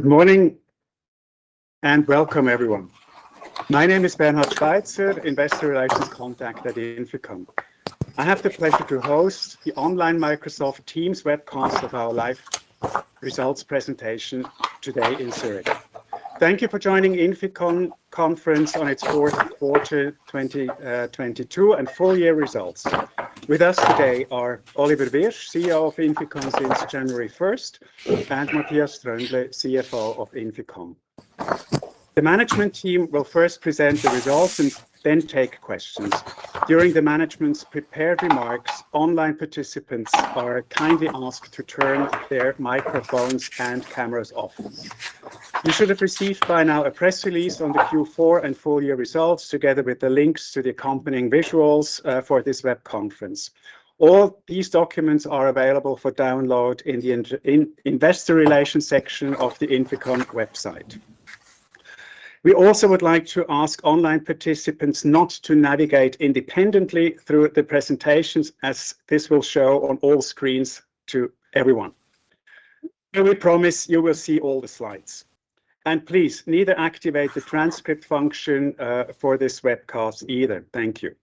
Good morning, welcome, everyone. My name is Bernhard Schweizer, Investor Relations Contact at INFICON. I have the pleasure to host the online Microsoft Teams webcast of our live results presentation today in Zurich. Thank you for joining INFICON Conference on its fourth quarter 2022 and full year results. With us today are Oliver Wyrsch, CEO of INFICON since January 1st, and Matthias Tröndle, CFO of INFICON. The management team will first present the results then take questions. During the management's prepared remarks, online participants are kindly asked to turn their microphones and cameras off. You should have received by now a press release on the Q4 and full year results, together with the links to the accompanying visuals for this web conference. All these documents are available for download in the Investor Relations section of the INFICON website. We also would like to ask online participants not to navigate independently through the presentations as this will show on all screens to everyone. We promise you will see all the slides. Please neither activate the transcript function for this webcast either. Thank you.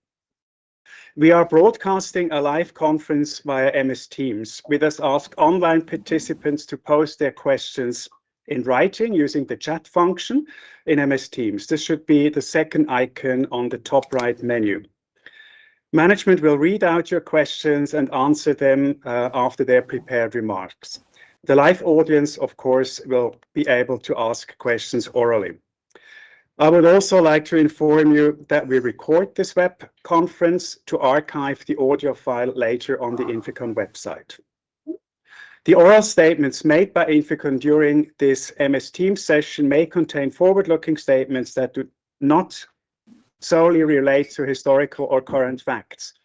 We are broadcasting a live conference via MS Teams. We thus ask online participants to post their questions in writing using the chat function in MS Teams. This should be the second icon on the top right menu. Management will read out your questions and answer them after their prepared remarks. The live audience, of course, will be able to ask questions orally. I would also like to inform you that we record this web conference to archive the audio file later on the INFICON website. The oral statements made by INFICON during this MS Teams session may contain forward-looking statements that do not solely relate to historical or current facts.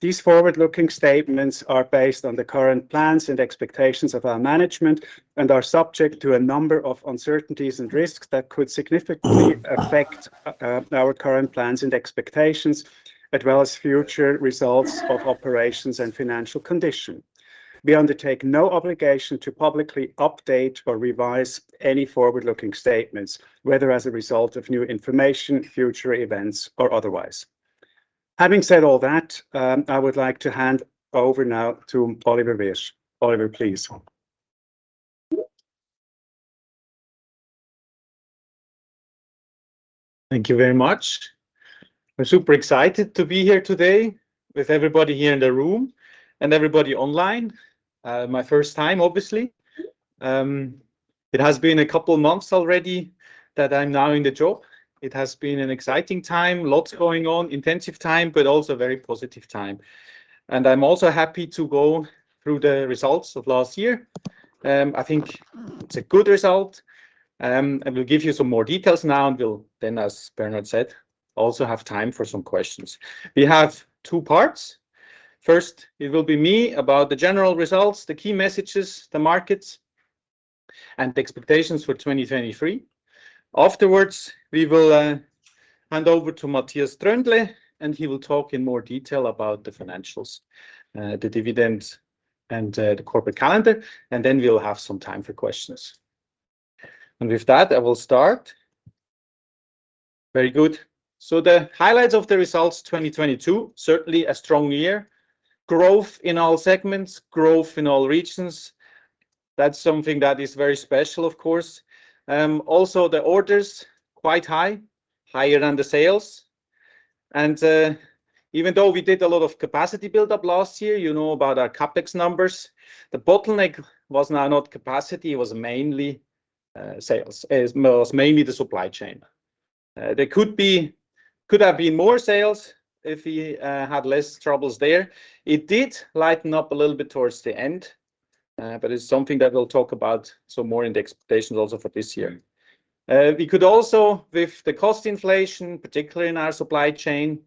These forward-looking statements are based on the current plans and expectations of our management and are subject to a number of uncertainties and risks that could significantly affect our current plans and expectations, as well as future results of operations and financial condition. We undertake no obligation to publicly update or revise any forward-looking statements, whether as a result of new information, future events, or otherwise. Having said all that, I would like to hand over now to Oliver Wyrsch. Oliver, please. Thank you very much. I'm super excited to be here today with everybody here in the room and everybody online. My first time, obviously. It has been a couple months already that I'm now in the job. It has been an exciting time, lots going on, intensive time, but also very positive time. I'm also happy to go through the results of last year. I think it's a good result. I will give you some more details now, and we'll then, as Bernard said, also have time for some questions. We have two parts. First, it will be me about the general results, the key messages, the markets, and the expectations for 2023. Afterwards, we will hand over to Matthias Tröndle. He will talk in more detail about the financials, the dividend, and the corporate calendar. Then we will have some time for questions. With that, I will start. Very good. The highlights of the results, 2022, certainly a strong year. Growth in all segments, growth in all regions. That's something that is very special, of course. Also the orders quite high, higher than the sales. Even though we did a lot of capacity build-up last year, you know about our CapEx numbers, the bottleneck was now not capacity, it was mainly sales. It was mainly the supply chain. There could have been more sales if we had less troubles there. It did lighten up a little bit towards the end, but it's something that we'll talk about some more in the expectations also for this year. We could also, with the cost inflation, particularly in our supply chain,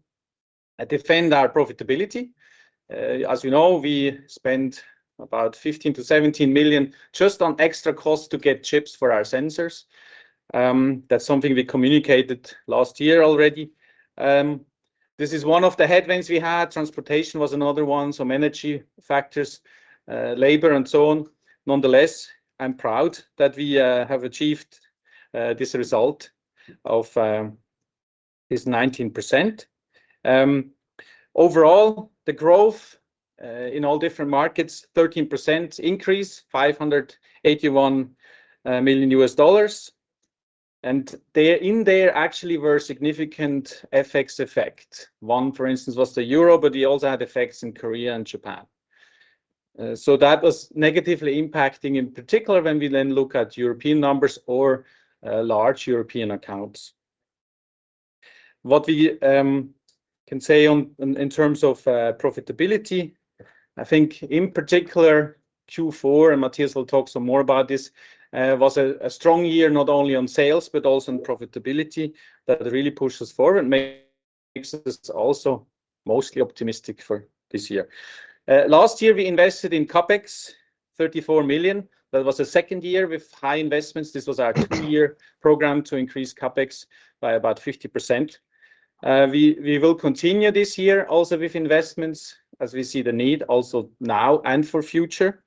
defend our profitability. As you know, we spent about $15 million-$17 million just on extra costs to get chips for our sensors. That's something we communicated last year already. This is one of the headwinds we had. Transportation was another one, some energy factors, labor, and so on. Nonetheless, I'm proud that we have achieved this result of this 19%. Overall, the growth in all different markets, 13% increase, $581 million. In there actually were significant FX effect. One, for instance, was the euro, but we also had effects in Korea and Japan. That was negatively impacting in particular when we then look at European numbers or large European accounts. What we can say in terms of profitability, I think in particular Q4, and Matthias will talk some more about this, was a strong year not only on sales, but also in profitability that really pushed us forward and makes us also mostly optimistic for this year. Last year we invested in CapEx $34 million. That was the second year with high investments. This was our two-year program to increase CapEx by about 50%. We will continue this year also with investments as we see the need also now and for future.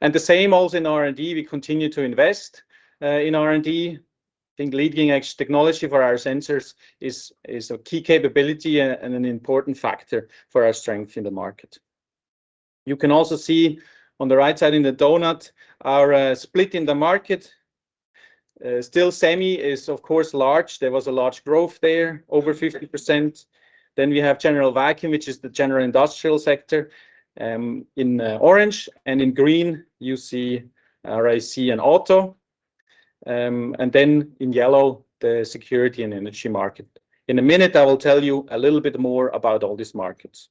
The same also in R&D, we continue to invest in R&D. I think leading-edge technology for our sensors is a key capability and an important factor for our strength in the market. You can also see on the right side in the donut our split in the market. Still Semi is, of course, large. There was a large growth there, over 50%. We have General Vacuum, which is the general industrial sector, in orange. In green, you see RAC and Auto. In yellow, the Security and Energy market. In a minute, I will tell you a little bit more about all these markets.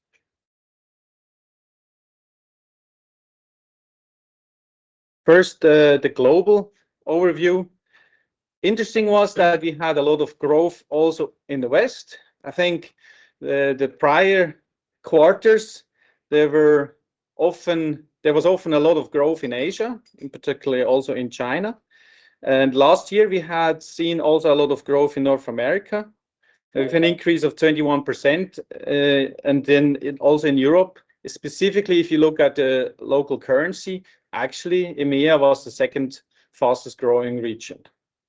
First, the global overview. Interesting was that we had a lot of growth also in the West. I think the prior quarters, there was often a lot of growth in Asia, and particularly also in China. Last year, we had seen also a lot of growth in North America with an increase of 21%. Also in Europe, specifically, if you look at the local currency, actually, EMEA was the second fastest-growing region,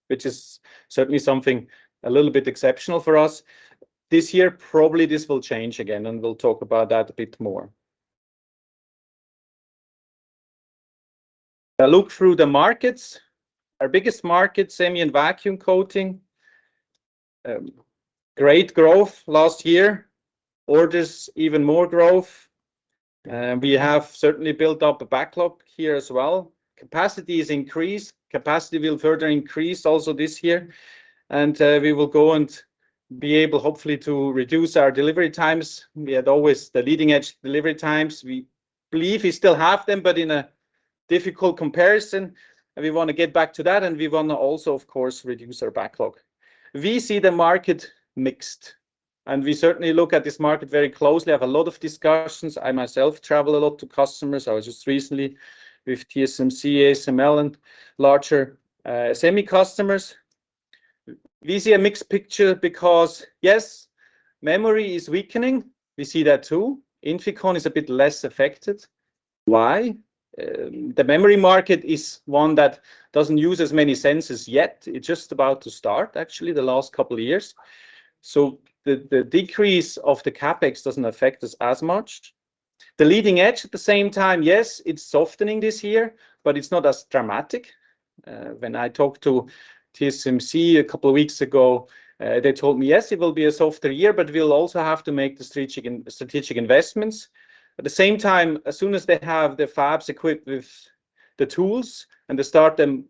which is certainly something a little bit exceptional for us. This year, probably this will change again, and we'll talk about that a bit more. A look through the markets. Our biggest market, Semi and Vacuum Coating, great growth last year. Orders, even more growth, and we have certainly built up a backlog here as well. Capacity is increased. Capacity will further increase also this year, and we will go and be able, hopefully, to reduce our delivery times. We had always the leading-edge delivery times. We believe we still have them, but in a difficult comparison, we wanna get back to that, and we wanna also, of course, reduce our backlog. We see the market mixed, we certainly look at this market very closely, have a lot of discussions. I myself travel a lot to customers. I was just recently with TSMC, ASML, and larger Semi customers. We see a mixed picture because, yes, memory is weakening. We see that too. INFICON is a bit less affected. Why? The memory market is one that doesn't use as many sensors yet. It's just about to start, actually, the last couple of years. The decrease of the CapEx doesn't affect us as much. The leading edge at the same time, yes, it's softening this year, but it's not as dramatic. When I talked to TSMC a couple of weeks ago, they told me, "Yes, it will be a softer year, but we'll also have to make the strategic investments." At the same time, as soon as they have the fabs equipped with the tools and they start them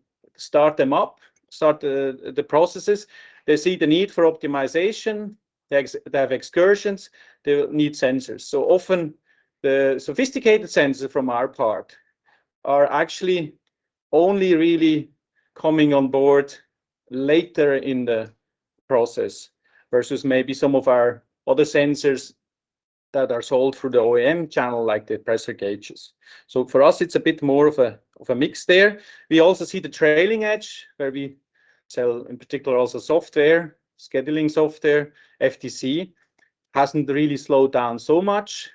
up, start the processes, they see the need for optimization. They have excursions. They need sensors. Often the sophisticated sensors from our part are actually only really coming on board later in the process, versus maybe some of our other sensors that are sold through the OEM channel, like the pressure gauges. For us, it's a bit more of a mix there. We also see the trailing edge, where we sell, in particular, also software, scheduling software, FPS, hasn't really slowed down so much.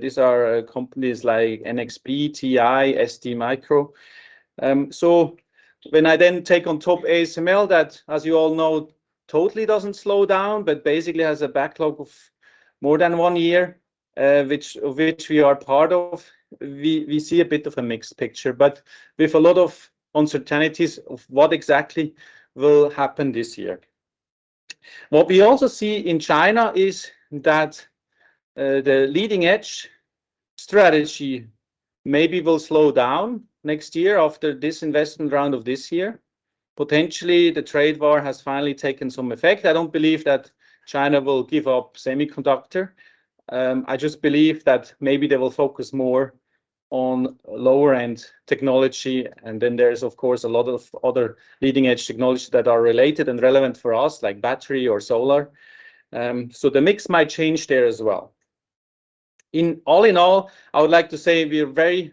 These are companies like NXP, TI, STMicro. When I then take on top ASML, that, as you all know, totally doesn't slow down, but basically has a backlog of more than one year, which we are part of, we see a bit of a mixed picture. With a lot of uncertainties of what exactly will happen this year. What we also see in China is that the leading-edge strategy maybe will slow down next year after this investment round of this year. Potentially, the trade war has finally taken some effect. I don't believe that China will give up semiconductor. I just believe that maybe they will focus more on lower-end technology, there is, of course, a lot of other leading-edge technologies that are related and relevant for us, like battery or solar. So the mix might change there as well. All in all, I would like to say we are very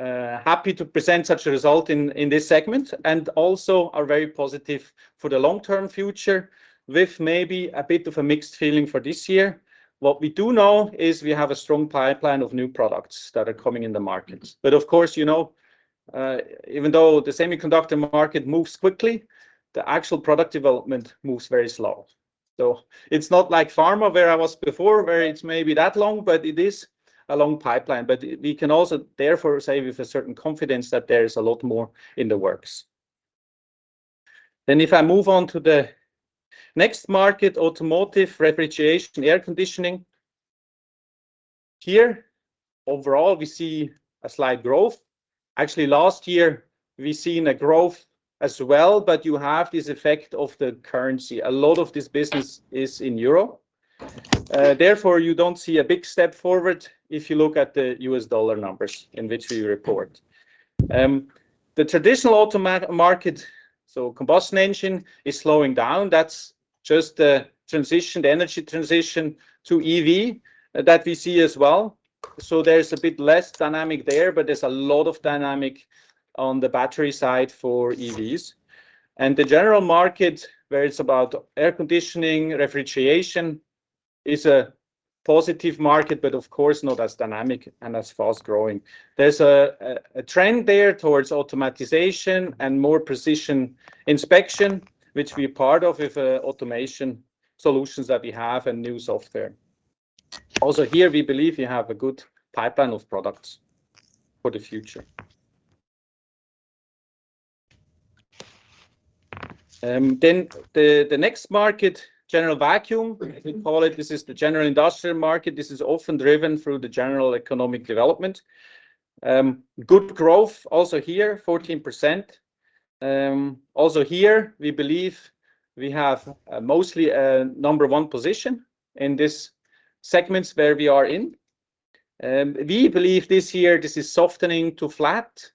happy to present such a result in this segment and also are very positive for the long-term future with maybe a bit of a mixed feeling for this year. What we do know is we have a strong pipeline of new products that are coming in the markets. Of course, you know, even though the semiconductor market moves quickly, the actual product development moves very slow. It's not like pharma, where I was before, where it's maybe that long, but it is a long pipeline. We can also therefore say with a certain confidence that there is a lot more in the works. If I move on to the next market, Automotive, Refrigeration, Air Conditioning. Here, overall, we see a slight growth. Actually, last year, we've seen a growth as well, but you have this effect of the currency. A lot of this business is in euro. Therefore, you don't see a big step forward if you look at the US dollar numbers in which we report. The traditional Automa-market, so combustion engine, is slowing down. That's just a transition, the energy transition to EV that we see as well. There's a bit less dynamic there, but there's a lot of dynamic on the battery side for EVs. The general market, where it's about air conditioning, refrigeration. It's a positive market, but of course not as dynamic and as fast-growing. There's a trend there towards automatization and more precision inspection, which we're part of with automation solutions that we have and new software. Also here, we believe we have a good pipeline of products for the future. The next market, General Vacuum, we call it. This is the general industrial market. This is often driven through the general economic development. Good growth also here, 14%. Also here, we believe we have mostly a number one position in this segments where we are in. We believe this year this is softening to flat.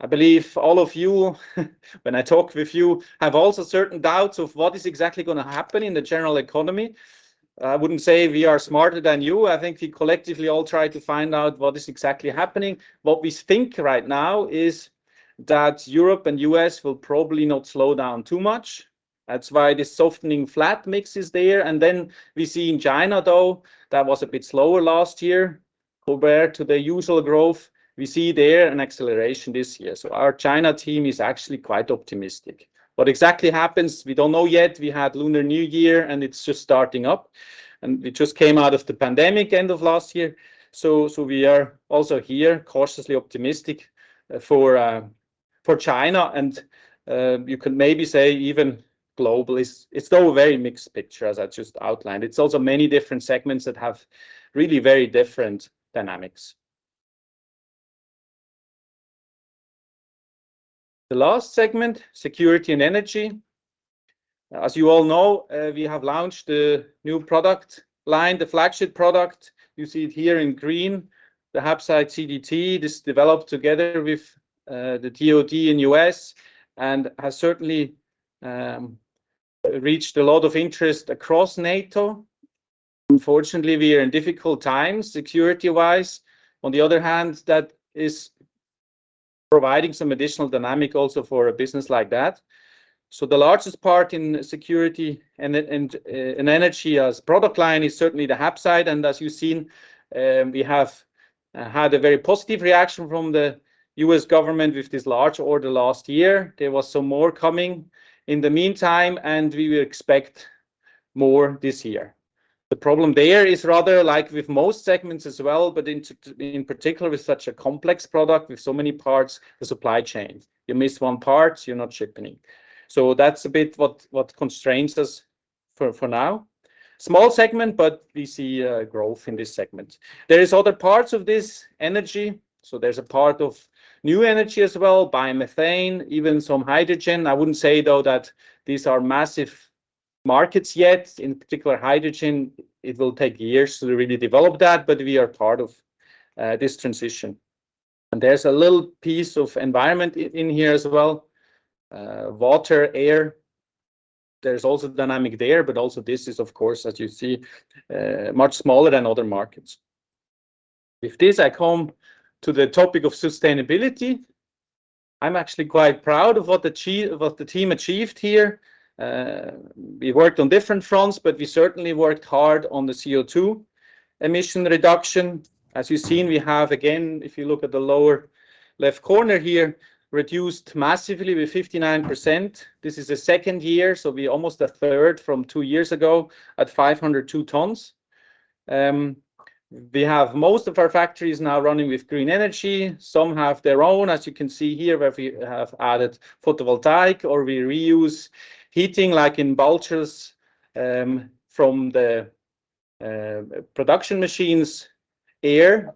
I believe all of you when I talk with you have also certain doubts of what is exactly gonna happen in the general economy. I wouldn't say we are smarter than you. I think we collectively all try to find out what is exactly happening. What we think right now is that Europe and U.S. will probably not slow down too much. That's why the softening flat mix is there. We see in China, though, that was a bit slower last year compared to the usual growth. We see there an acceleration this year. Our China team is actually quite optimistic. What exactly happens, we don't know yet. We had Lunar New Year, and it's just starting up, and we just came out of the pandemic end of last year. We are also here cautiously optimistic for China, and you could maybe say even globally. It's still a very mixed picture, as I just outlined. It's also many different segments that have really very different dynamics. The last segment, Security and Energy. As you all know, we have launched a new product line, the flagship product. You see it here in green, the HAPSITE CDT. This developed together with the DoD in the U.S. and has certainly reached a lot of interest across NATO. Unfortunately, we are in difficult times security-wise. On the other hand, that is providing some additional dynamic also for a business like that. The largest part in Security and Energy as product line is certainly the HAPSITE. As you've seen, we have had a very positive reaction from the U.S. government with this large order last year. There was some more coming in the meantime, and we will expect more this year. The problem there is rather like with most segments as well, but in particular with such a complex product with so many parts, the supply chain. You miss one part, you're not shipping. That's a bit what constrains us for now. Small segment, but we see growth in this segment. There is other parts of this energy, so there's a part of new energy as well, biomethane, even some hydrogen. I wouldn't say, though, that these are massive markets yet. In particular hydrogen, it will take years to really develop that, but we are part of this transition. There's a little piece of environment in here as well, water, air. There's also dynamic there, but also this is, of course, as you see, much smaller than other markets. With this, I come to the topic of sustainability. I'm actually quite proud of what the team achieved here. We worked on different fronts, but we certainly worked hard on the CO2 emission reduction. As you've seen, we have, again, if you look at the lower left corner here, reduced massively with 59%. This is the second year, so we're almost a 1/3 from two years ago at 502 tons. We have most of our factories now running with green energy. Some have their own, as you can see here, where we have added photovoltaic or we reuse heating, like in Balzers, from the production machines' air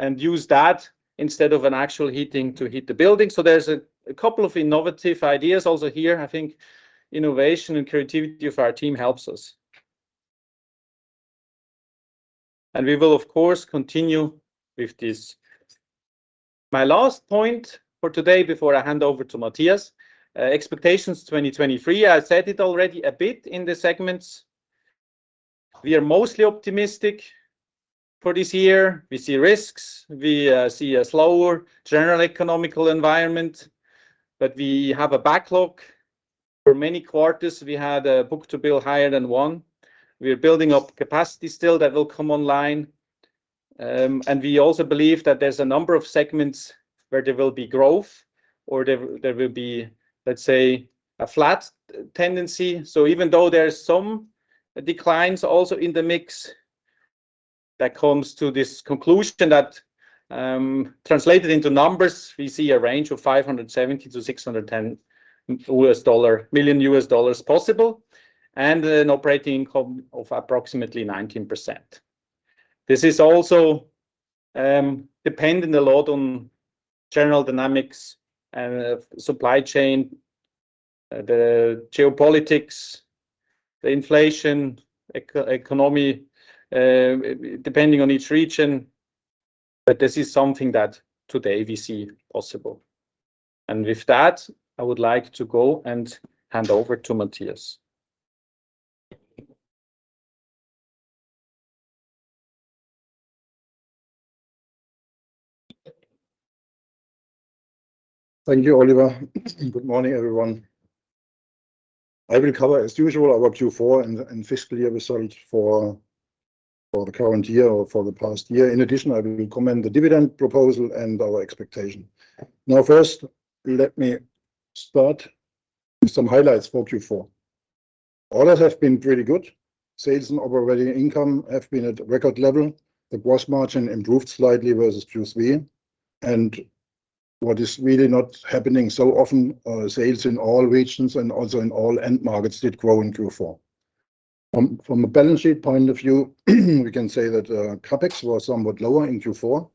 and use that instead of an actual heating to heat the building. There's a couple of innovative ideas also here. I think innovation and creativity of our team helps us. We will of course continue with this. My last point for today before I hand over to Matthias, expectations 2023. I said it already a bit in the segments. We are mostly optimistic for this year. We see risks. We see a slower general economical environment. We have a backlog. For many quarters, we had a book-to-bill higher than one. We're building up capacity still that will come online. We also believe that there's a number of segments where there will be growth or there will be, let's say, a flat tendency. Even though there is some declines also in the mix, that comes to this conclusion that, translated into numbers, we see a range of $570 million-$610 million possible and an operating income of approximately 19%. This is also dependent a lot on general dynamics and the supply chain, the geopolitics, the inflation, eco-economy, depending on each region. This is something that today we see possible. With that, I would like to go and hand over to Matthias. Thank you, Oliver. Good morning, everyone. I will cover as usual our Q4 and fiscal year result for the current year or for the past year. I will comment the dividend proposal and our expectation. First, let me start with some highlights for Q4. Orders have been really good. Sales and operating income have been at record level. The gross margin improved slightly versus Q3, what is really not happening so often, sales in all regions and also in all end markets did grow in Q4. From a balance sheet point of view, we can say that CapEx was somewhat lower in Q4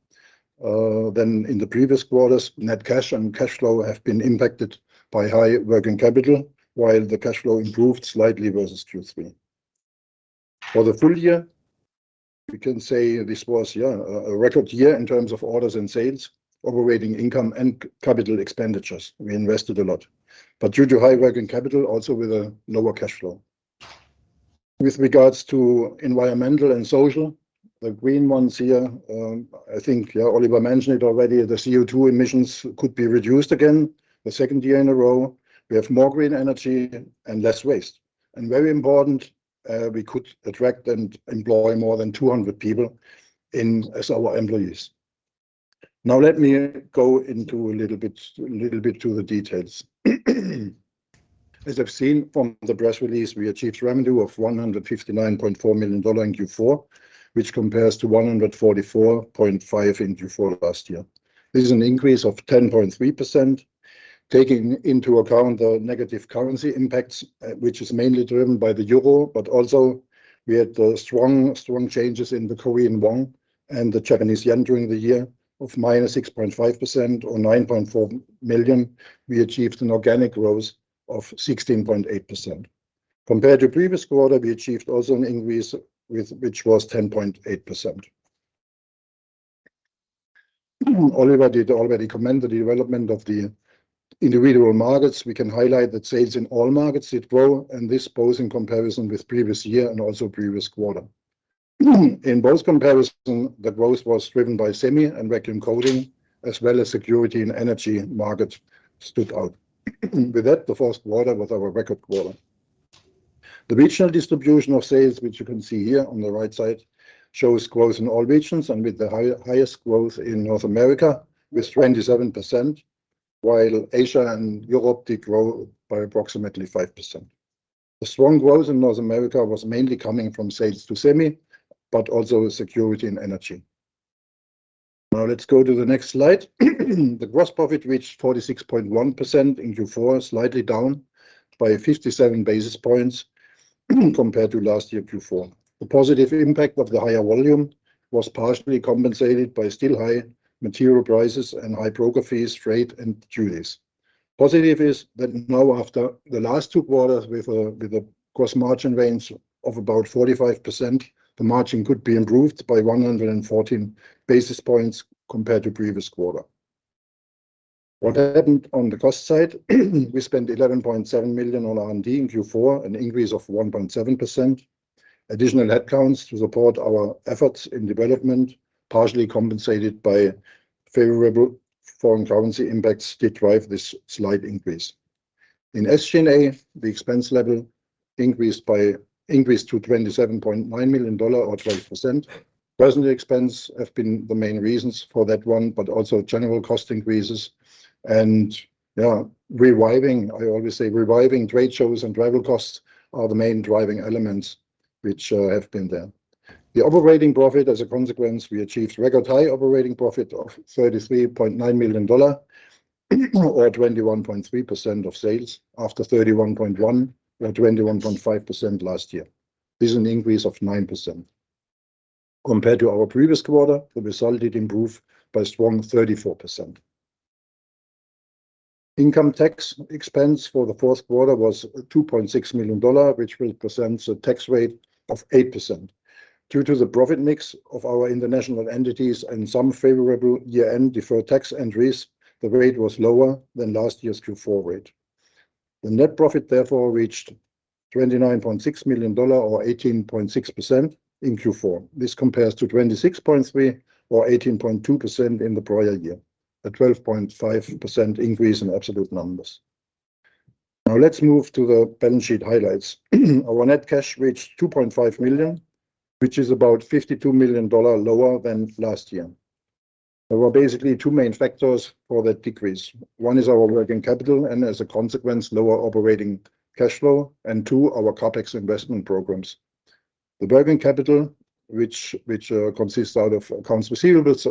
than in the previous quarters. Net cash and cash flow have been impacted by high working capital, while the cash flow improved slightly versus Q3. For the full year, we can say this was a record year in terms of orders and sales, operating income and capital expenditures. We invested a lot. But due to high working capital, also with a lower cash flow. With regards to environmental and social, the green ones here, I think Oliver mentioned it already, the CO2 emissions could be reduced again the second year in a row. We have more green energy and less waste. And very important, we could attract and employ more than 200 people as our employees. Now let me go into a little bit to the details. As I've seen from the press release, we achieved revenue of $159.4 million in Q4, which compares to $144.5 million in Q4 last year. This is an increase of 10.3% taking into account the negative currency impacts, which is mainly driven by the euro, but also we had strong changes in the Korean won and the JPY during the year of -6.5% or $9.4 million. We achieved an organic growth of 16.8%. Compared to previous quarter, we achieved also an increase which was 10.8%. Oliver did already comment the development of the individual markets. We can highlight that sales in all markets did grow, and this both in comparison with previous year and also previous quarter. In both comparison, the growth was driven by Semi and Vacuum Coating, as well as Security and Energy markets stood out. With that, the first quarter was our record quarter. The regional distribution of sales, which you can see here on the right side, shows growth in all regions and with the highest growth in North America with 27%, while Asia and Europe did grow by approximately 5%. The strong growth in North America was mainly coming from sales to Semi, but also Security and Energy. Let's go to the next slide. The gross profit reached 46.1% in Q4, slightly down by 57 basis points compared to last year Q4. The positive impact of the higher volume was partially compensated by still high material prices and high broker fees, freight and duties. Positive is that now after the last two quarters with a gross margin range of about 45%, the margin could be improved by 114 basis points compared to previous quarter. What happened on the cost side, we spent $11.7 million on R&D in Q4, an increase of 1.7%. Additional headcounts to support our efforts in development, partially compensated by favorable foreign currency impacts did drive this slight increase. In SG&A, the expense level increased to $27.9 million or 12%. Personnel expense have been the main reasons for that one, but also general cost increases. Reviving, I always say reviving trade shows and travel costs are the main driving elements which have been there. The operating profit, as a consequence, we achieved record high operating profit of $33.9 million or 21.3% of sales after $31.1 million or 21.5% last year. This is an increase of 9%. Compared to our previous quarter, the result did improve by strong 34%. Income tax expense for the fourth quarter was $2.6 million, which represents a tax rate of 8%. Due to the profit mix of our international entities and some favorable year-end deferred tax entries, the rate was lower than last year's Q4 rate. The net profit therefore reached $29.6 million or 18.6% in Q4. This compares to $26.3 million or 18.2% in the prior year, a 12.5% increase in absolute numbers. Let's move to the balance sheet highlights. Our net cash reached $2.5 million, which is about $52 million lower than last year. There were basically two main factors for that decrease. One is our working capital, and as a consequence, lower operating cash flow. Two, our CapEx investment programs. The working capital, which consists out of accounts receivables,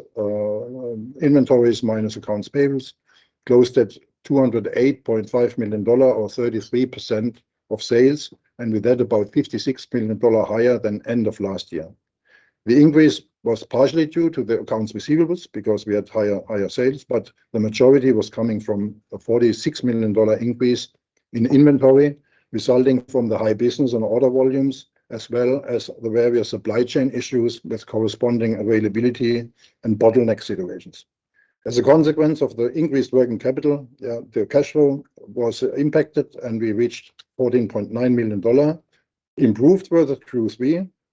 inventories minus accounts payables, closed at $208.5 million or 33% of sales, with that about $56 million higher than end of last year. The increase was partially due to the accounts receivables because we had higher sales, the majority was coming from a $46 million increase in inventory resulting from the high business and order volumes, as well as the various supply chain issues with corresponding availability and bottleneck situations. As a consequence of the increased working capital, the cash flow was impacted, and we reached $14.9 million. Improved further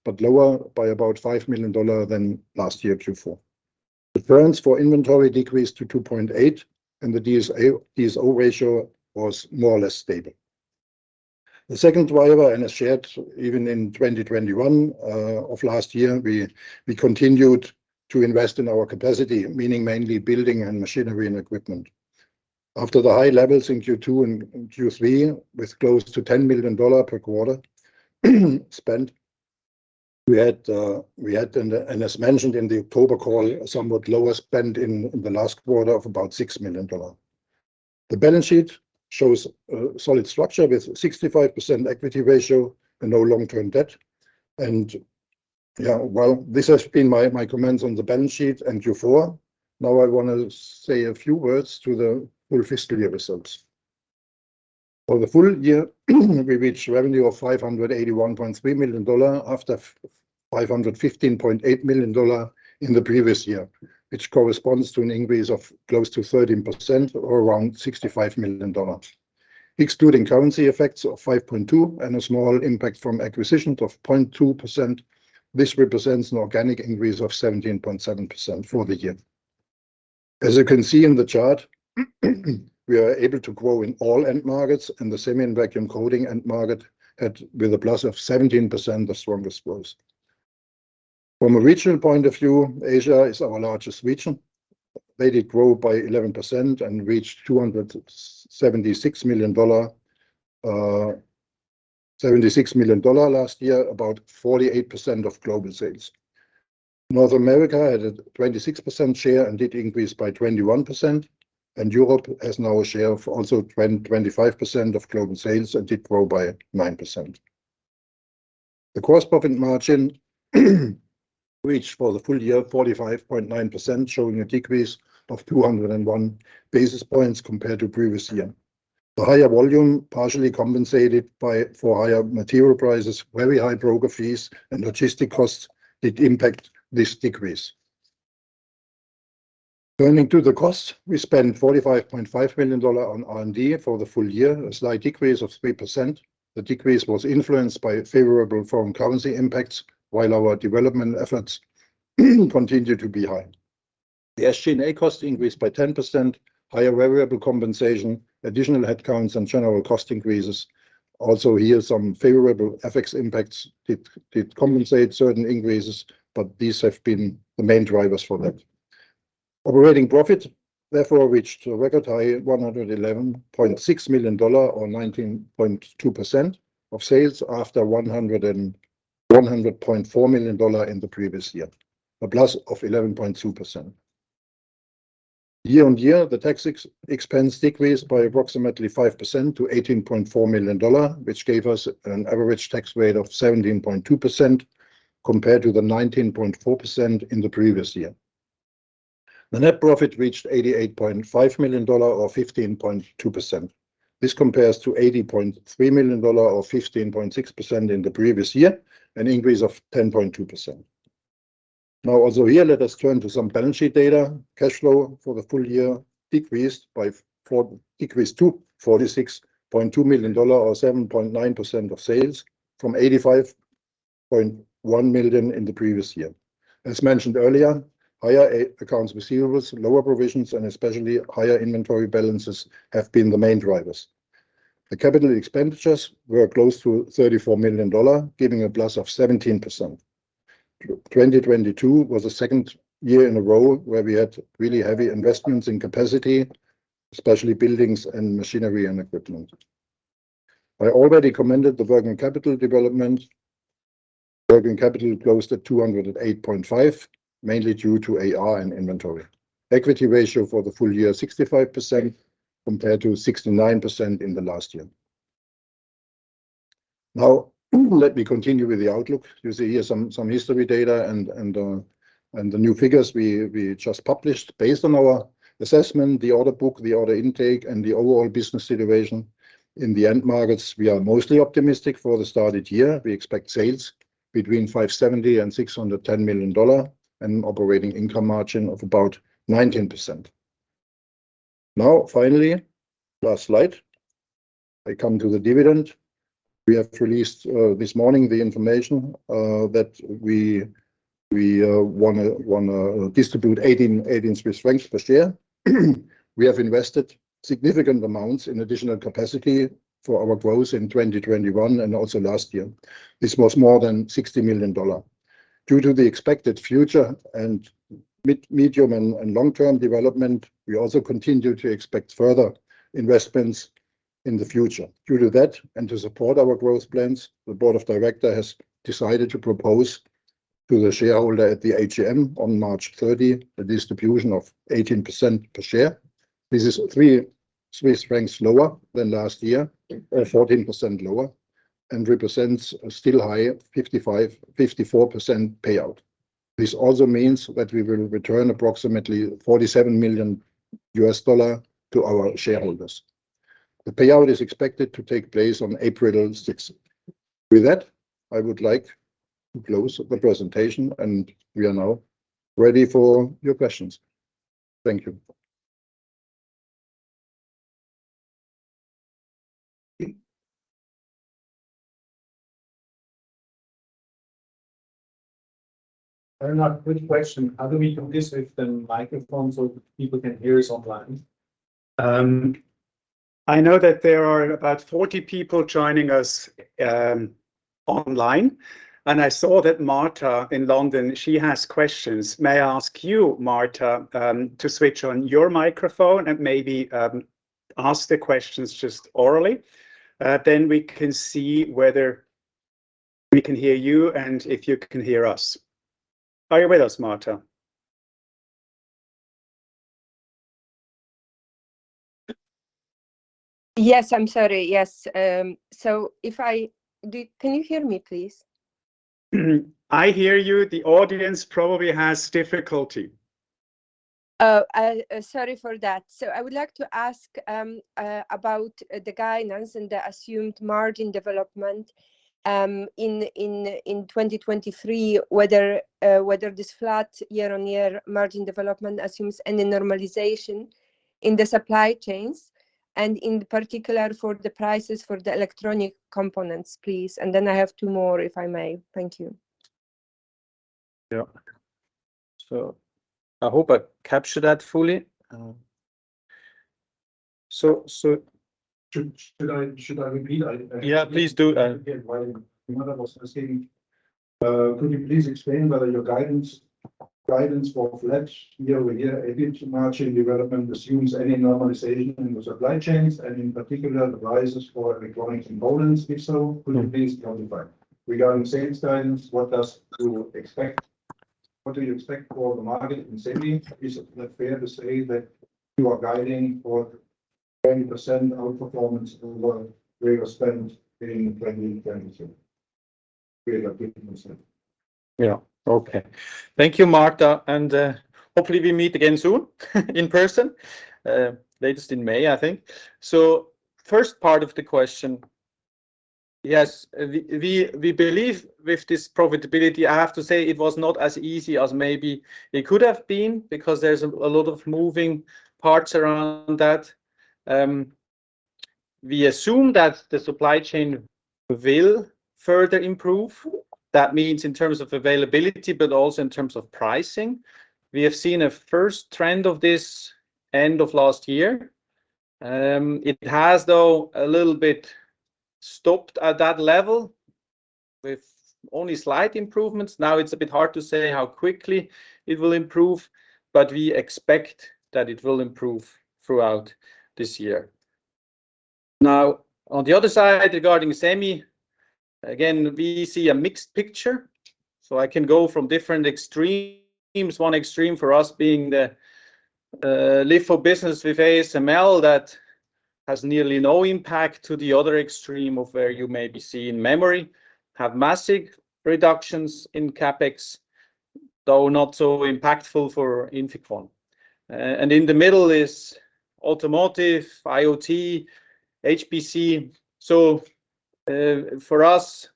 Q3, lower by about $5 million than last year, Q4. The balance for inventory decreased to $2.8. The DSO ratio was more or less stable. As shared even in 2021 of last year, we continued to invest in our capacity, meaning mainly building and machinery and equipment. After the high levels in Q2 and Q3, with close to $10 million per quarter spent, we had as mentioned in the October call, a somewhat lower spend in the last quarter of about $6 million. The balance sheet shows a solid structure with 65% equity ratio and no long-term debt. Yeah, well, this has been my comments on the balance sheet and Q4. Now I wanna say a few words to the full fiscal year results. For the full year, we reached revenue of $581.3 million after $515.8 million in the previous year, which corresponds to an increase of close to 13% or around $65 million. Excluding currency effects of 5.2% and a small impact from acquisitions of 0.2%, this represents an organic increase of 17.7% for the year. As you can see in the chart, we are able to grow in all end markets, and the Semi and Vacuum Coating end market had, with a plus of 17%, the strongest growth. From a regional point of view, Asia is our largest region. They did grow by 11% and reached $276 million, $76 million last year, about 48% of global sales. North America had a 26% share and did increase by 21%. Europe has now a share of also 25% of global sales and did grow by 9%. The gross profit margin reached, for the full year, 45.9%, showing a decrease of 201 basis points compared to previous year. The higher volume partially compensated for higher material prices, very high broker fees and logistic costs did impact this decrease. Turning to the costs, we spent $45.5 million on R&D for the full year, a slight decrease of 3%. The decrease was influenced by favorable foreign currency impacts, while our development efforts continued to be high. The SG&A costs increased by 10%, higher variable compensation, additional headcounts, and general cost increases. Here, some favorable FX impacts did compensate certain increases, but these have been the main drivers for that. Operating profit, therefore, reached a record high at $111.6 million or 19.2% of sales after $100.4 million in the previous year, a plus of 11.2%. Year-on-year, the tax expense decreased by approximately 5% to $18.4 million, which gave us an average tax rate of 17.2% compared to the 19.4% in the previous year. The net profit reached $88.5 million or 15.2%. This compares to $80.3 million or 15.6% in the previous year, an increase of 10.2%. Now also here, let us turn to some balance sheet data. Cash flow for the full year increased to $46.2 million or 7.9% of sales from $85.1 million in the previous year. As mentioned earlier, higher accounts receivables, lower provisions, and especially higher inventory balances have been the main drivers. The capital expenditures were close to $34 million, giving a plus of 17%. 2022 was the second year in a row where we had really heavy investments in capacity, especially buildings and machinery and equipment. I already commented the working capital development. Working capital closed at $208.5 million, mainly due to AR and inventory. Equity ratio for the full year, 65%, compared to 69% in the last year. Now, let me continue with the outlook. You see here some history data and the new figures we just published. Based on our assessment, the order book, the order intake, and the overall business situation in the end markets, we are mostly optimistic for the started year. We expect sales between $570 million and $610 million and operating income margin of about 19%. Finally, last slide, I come to the dividend. We have released this morning the information that we wanna distribute 18 Swiss francs per share. We have invested significant amounts in additional capacity for our growth in 2021 and also last year. This was more than $60 million. Due to the expected future and mid-medium and long-term development, we also continue to expect further investments in the future. Due to that, and to support our growth plans, the board of director has decided to propose to the shareholder at the AGM on March 30 a distribution of 18% per share. This is 3 Swiss francs lower than last year, 14% lower, and represents a still high 54% payout. This also means that we will return approximately $47 million to our shareholders. The payout is expected to take place on April 6. I would like to close the presentation, we are now ready for your questions. Thank you. Bernhard, good question. How do we do this with the microphone so people can hear us online? I know that there are about 40 people joining us online, and I saw that Marta in London, she has questions. May I ask you, Marta, to switch on your microphone and maybe ask the questions just orally? Then we can see whether we can hear you and if you can hear us. Are you with us, Marta? Yes. I'm sorry. Yes. Can you hear me, please? I hear you. The audience probably has difficulty. Sorry for that. I would like to ask about the guidance and the assumed margin development in 2023, whether this flat year-on-year margin development assumes any normalization in the supply chains, and in particular for the prices for the electronic components, please. Then I have two more, if I may. Thank you. Yeah. I hope I captured that fully. Should I repeat? Yeah, please do. While Marta was speaking. Could you please explain whether your guidance for flat year-over-year EBIT margin development assumes any normalization in the supply chains, and in particular the prices for electronic components? If so, could you please quantify? Regarding Semistand, what do you expect for the market in semi? Is it not fair to say that you are guiding for 20% outperformance over where you stand in revenue 2022? Okay. Thank you, Marta, and hopefully we meet again soon in person. Latest in May, I think. First part of the question. Yes, we believe with this profitability, I have to say it was not as easy as maybe it could have been because there's a lot of moving parts around that. We assume that the supply chain will further improve. That means in terms of availability, but also in terms of pricing. We have seen a first trend of this end of last year. It has though a little bit stopped at that level with only slight improvements. It's a bit hard to say how quickly it will improve, but we expect that it will improve throughout this year. On the other side regarding semi, again we see a mixed picture. I can go from different extremes. One extreme for us being the leaf of business with ASML that has nearly no impact to the other extreme of where you maybe see in memory, have massive reductions in CapEx, though not so impactful for INFICON. In the middle is automotive, IoT, HPC. For us,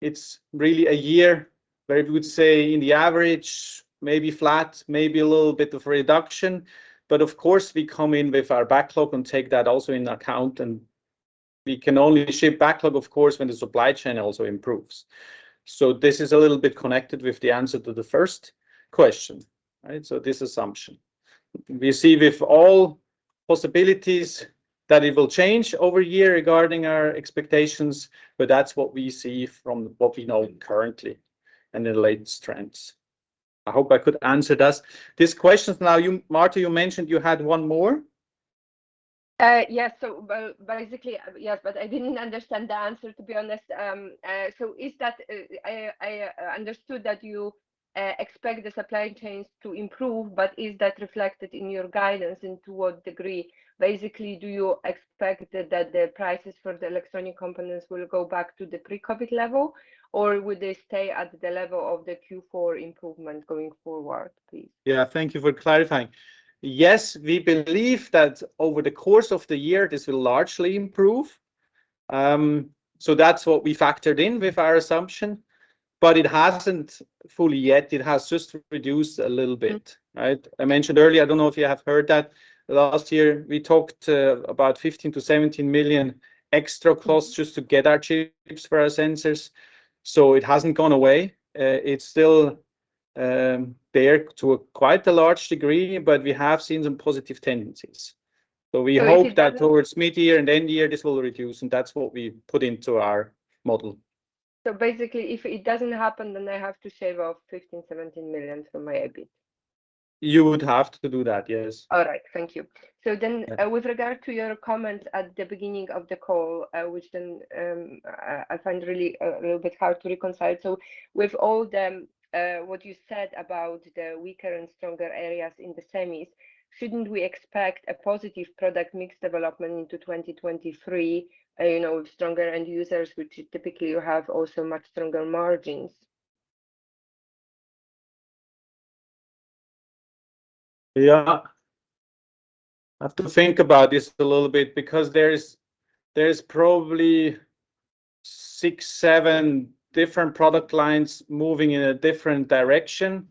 it's really a year where we would say in the average, maybe flat, maybe a little bit of reduction. Of course we come in with our backlog and take that also into account, we can only ship backlog of course when the supply chain also improves. This is a little bit connected with the answer to the first question, right? This assumption. We see with all possibilities that it will change over year regarding our expectations, but that's what we see from what we know currently and the latest trends. I hope I could answer this questions. Now you, Marta, mentioned you had one more. Yes. Basically, yes, but I didn't understand the answer to be honest. Is that, I understood that you expect the supply chains to improve, but is that reflected in your guidance, and to what degree? Basically, do you expect that the prices for the electronic components will go back to the pre-COVID level or would they stay at the level of the Q4 improvement going forward, please? Yeah. Thank you for clarifying. Yes, we believe that over the course of the year this will largely improve. That's what we factored in with our assumption, but it hasn't fully yet. It has just reduced a little bit, right? I mentioned earlier, I don't know if you have heard that last year we talked about 15 million-17 million extra costs just to get our chips for our sensors. It hasn't gone away. It's still there to a quite a large degree, but we have seen some positive tendencies. We hope If it doesn't. Towards mid-year and end year this will reduce and that's what we put into our model. Basically if it doesn't happen then I have to shave off $15 million, $17 million from my EBIT. You would have to do that, yes. All right. Thank you. Yeah With regard to your comments at the beginning of the call, which then, I find really a little bit hard to reconcile. With all the, what you said about the weaker and stronger areas in the semis, shouldn't we expect a positive product mix development into 2023, you know, stronger end users which typically you have also much stronger margins? Yeah. I have to think about this a little bit because there's probably six, seven different product lines moving in a different direction.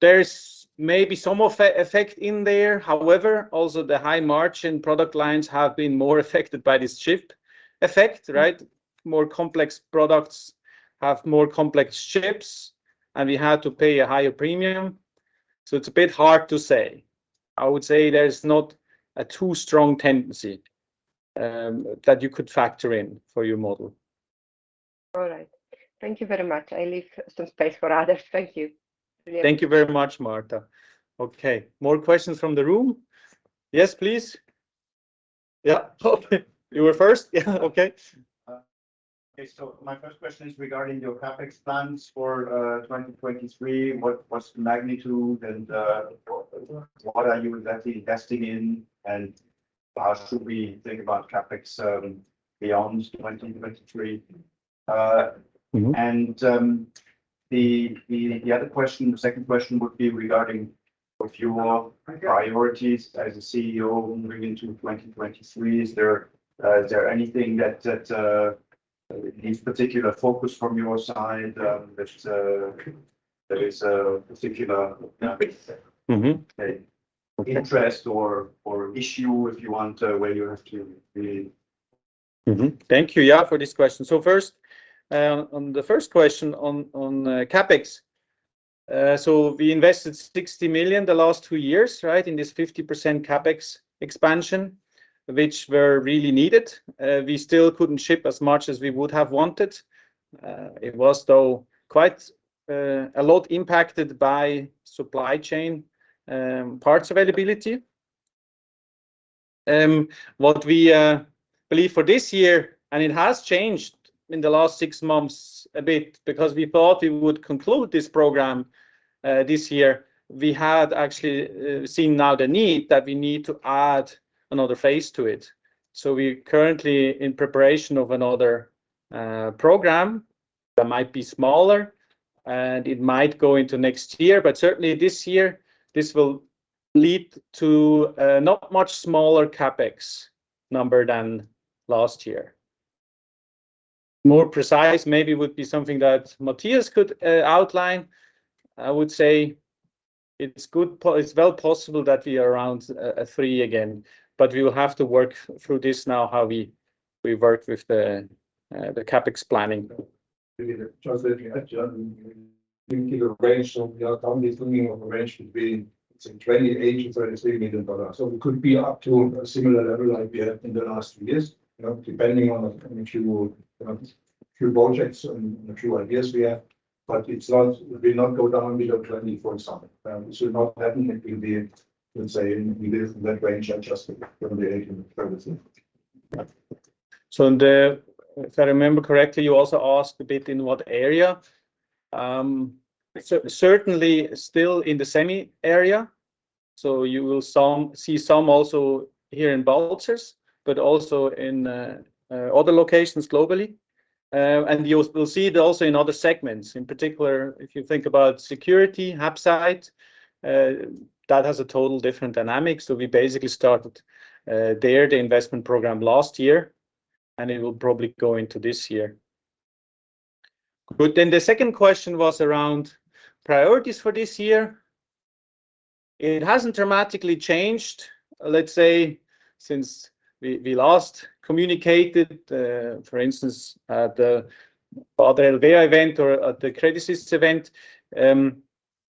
There's maybe some effect in there. However, also the high margin product lines have been more affected by this chip effect, right? More complex products have more complex chips, and we had to pay a higher premium, so it's a bit hard to say. I would say there's not a too strong tendency that you could factor in for your model. All right. Thank you very much. I leave some space for others. Thank you. Thank you very much, Marta. Okay, more questions from the room. Yes, please. Yeah. You were first. Yeah. Okay. My first question is regarding your CapEx plans for 2023. What's the magnitude and what are you exactly investing in, and how should we think about CapEx beyond 2023? The other question, the second question would be regarding of your priorities as a CEO moving into 2023. Is there anything that needs particular focus from your side? Interest or issue if you want, where you have to really. Thank you, yeah, for this question. First, on the first question on CapEx, we invested $60 million the last two years, right, in this 50% CapEx expansion, which were really needed. We still couldn't ship as much as we would have wanted. It was though quite a lot impacted by supply chain, parts availability. What we believe for this year, and it has changed in the last six months a bit because we thought we would conclude this program this year. We had actually seen now the need that we need to add another phase to it. We currently in preparation of another program that might be smaller, and it might go into next year, but certainly this year this will lead to not much smaller CapEx number than last year. More precise maybe would be something that Matthias could outline. I would say it's good It's well possible that we are around three again, we will have to work through this now, how we work with the CapEx planning. Just looking at your range of, you know, currently thinking of a range between, say, $28 million and $33 million. It could be up to a similar level like we had in the last few years, you know, depending on a few projects and a few ideas we have. It will not go down below $20 million, for example. It should not happen. It will be, let's say, within that range and just between $18 million and $30 million. If I remember correctly, you also asked a bit in what area. Certainly still in the semi area, so you will see some also here in Balzers, but also in other locations globally. You'll see it also in other segments. In particular, if you think about security, HAPSITE, that has a total different dynamic. We basically started there the investment program last year, and it will probably go into this year. The second question was around priorities for this year. It hasn't dramatically changed, let's say, since we last communicated, for instance, at the other Elba event or at the Credit Suisse event. It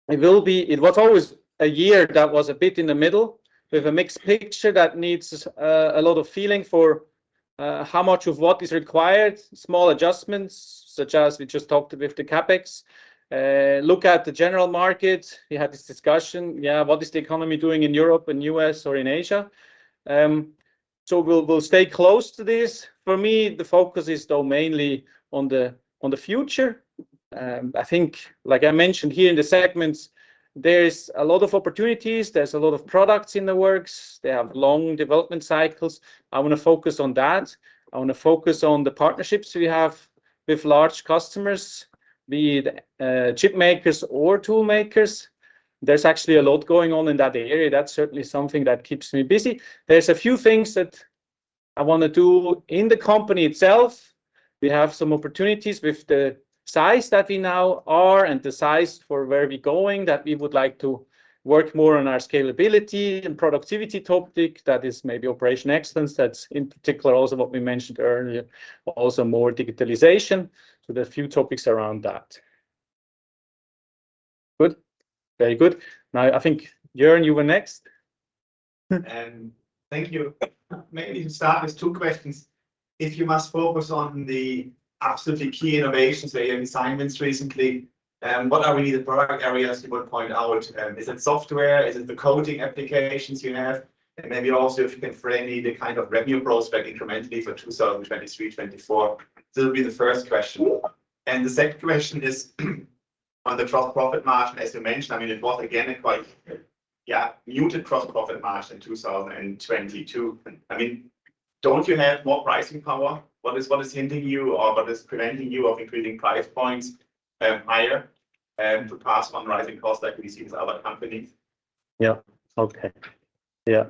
was always a year that was a bit in the middle. We have a mixed picture that needs a lot of feeling for how much of what is required. Small adjustments, such as we just talked with the CapEx. Look at the general market. We had this discussion. What is the economy doing in Europe, in U.S., or in Asia? We'll stay close to this. For me, the focus is though mainly on the, on the future. I think, like I mentioned here in the segments, there is a lot of opportunities. There's a lot of products in the works. They have long development cycles. I wanna focus on that. I wanna focus on the partnerships we have with large customers, be it chip makers or tool makers. There's actually a lot going on in that area. That's certainly something that keeps me busy. There's a few things that I wanna do in the company itself. We have some opportunities with the size that we now are and the size for where we going, that we would like to work more on our scalability and productivity topic. That is maybe operation excellence. That's in particular also what we mentioned earlier, but also more digitalization. There are a few topics around that. Good. Very good. I think, Jeroen, you were next. Thank you. Maybe to start with two questions. If you must focus on the absolutely key innovations that you have in Siemens recently, what are really the product areas you would point out? Is it software? Is it the coding applications you have? Maybe also if you can frame me the kind of revenue prospect incrementally for 2023, 2024. This will be the first question. The second question is, on the gross profit margin, as you mentioned, I mean, it was again a quite, yeah, muted gross profit margin in 2022. I mean, don't you have more pricing power? What is hinting you or what is preventing you of increasing price points higher to pass on rising costs like we see with other companies? Yeah. Okay. Yeah.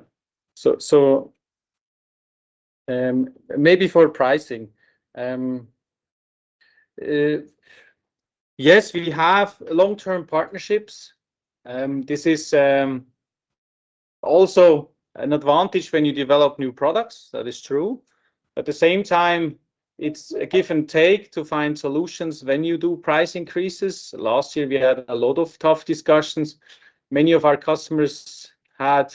Maybe for pricing. Yes, we have long-term partnerships. This is also an advantage when you develop new products. That is true. At the same time, it's a give-and- take to find solutions when you do price increases. Last year, we had a lot of tough discussions. Many of our customers had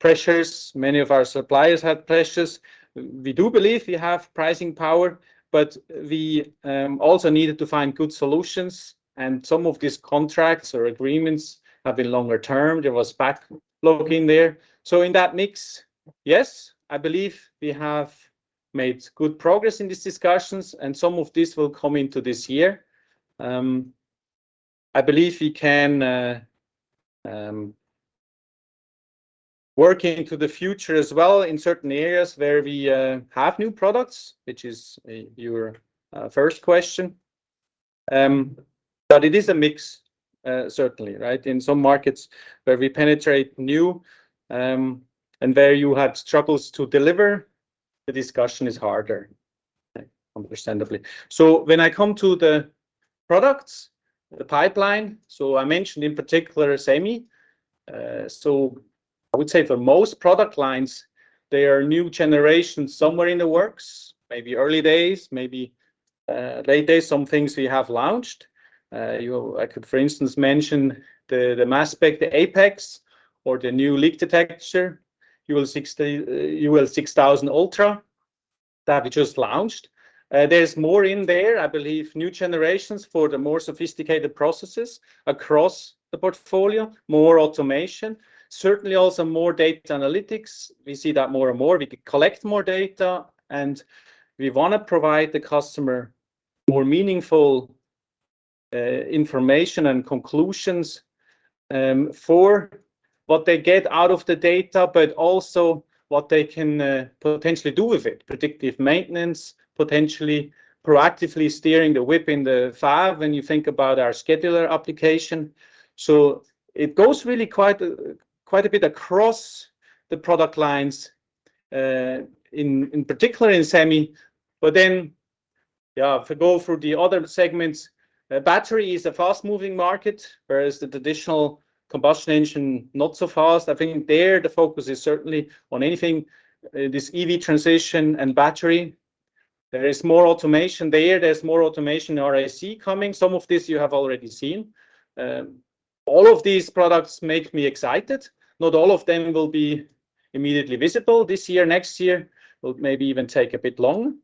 pressures, many of our suppliers had pressures. We do believe we have pricing power, but we also needed to find good solutions, and some of these contracts or agreements have been longer term. There was back loading there. In that mix, yes, I believe we have made good progress in these discussions, and some of this will come into this year. I believe we can work into the future as well in certain areas where we have new products, which is your first question. But it is a mix, certainly, right? In some markets where we penetrate new, and where you had struggles to deliver, the discussion is harder, right? Understandably. When I come to the products, the pipeline, I mentioned in particular Semi. I would say for most product lines, there are new generations somewhere in the works, maybe early days, maybe late days, some things we have launched. I could, for instance, mention the mass spec, the APX, or the new leak detector, UL 6000 Ultra that we just launched. There's more in there. I believe new generations for the more sophisticated processes across the portfolio, more automation, certainly also more data analytics. We see that more and more. We could collect more data, and we wanna provide the customer more meaningful information and conclusions for what they get out of the data, but also what they can potentially do with it. Predictive maintenance, potentially proactively steering the whip in the farm when you think about our scheduler application. It goes really quite a bit across the product lines in particular in Semi. Yeah, if we go through the other segments, battery is a fast-moving market, whereas the traditional combustion engine not so fast. I think there the focus is certainly on anything, this EV transition and battery. There is more automation there. There's more automation in RAC coming. Some of this you have already seen. All of these products make me excited. Not all of them will be immediately visible this year, next year. Will maybe even take a bit long.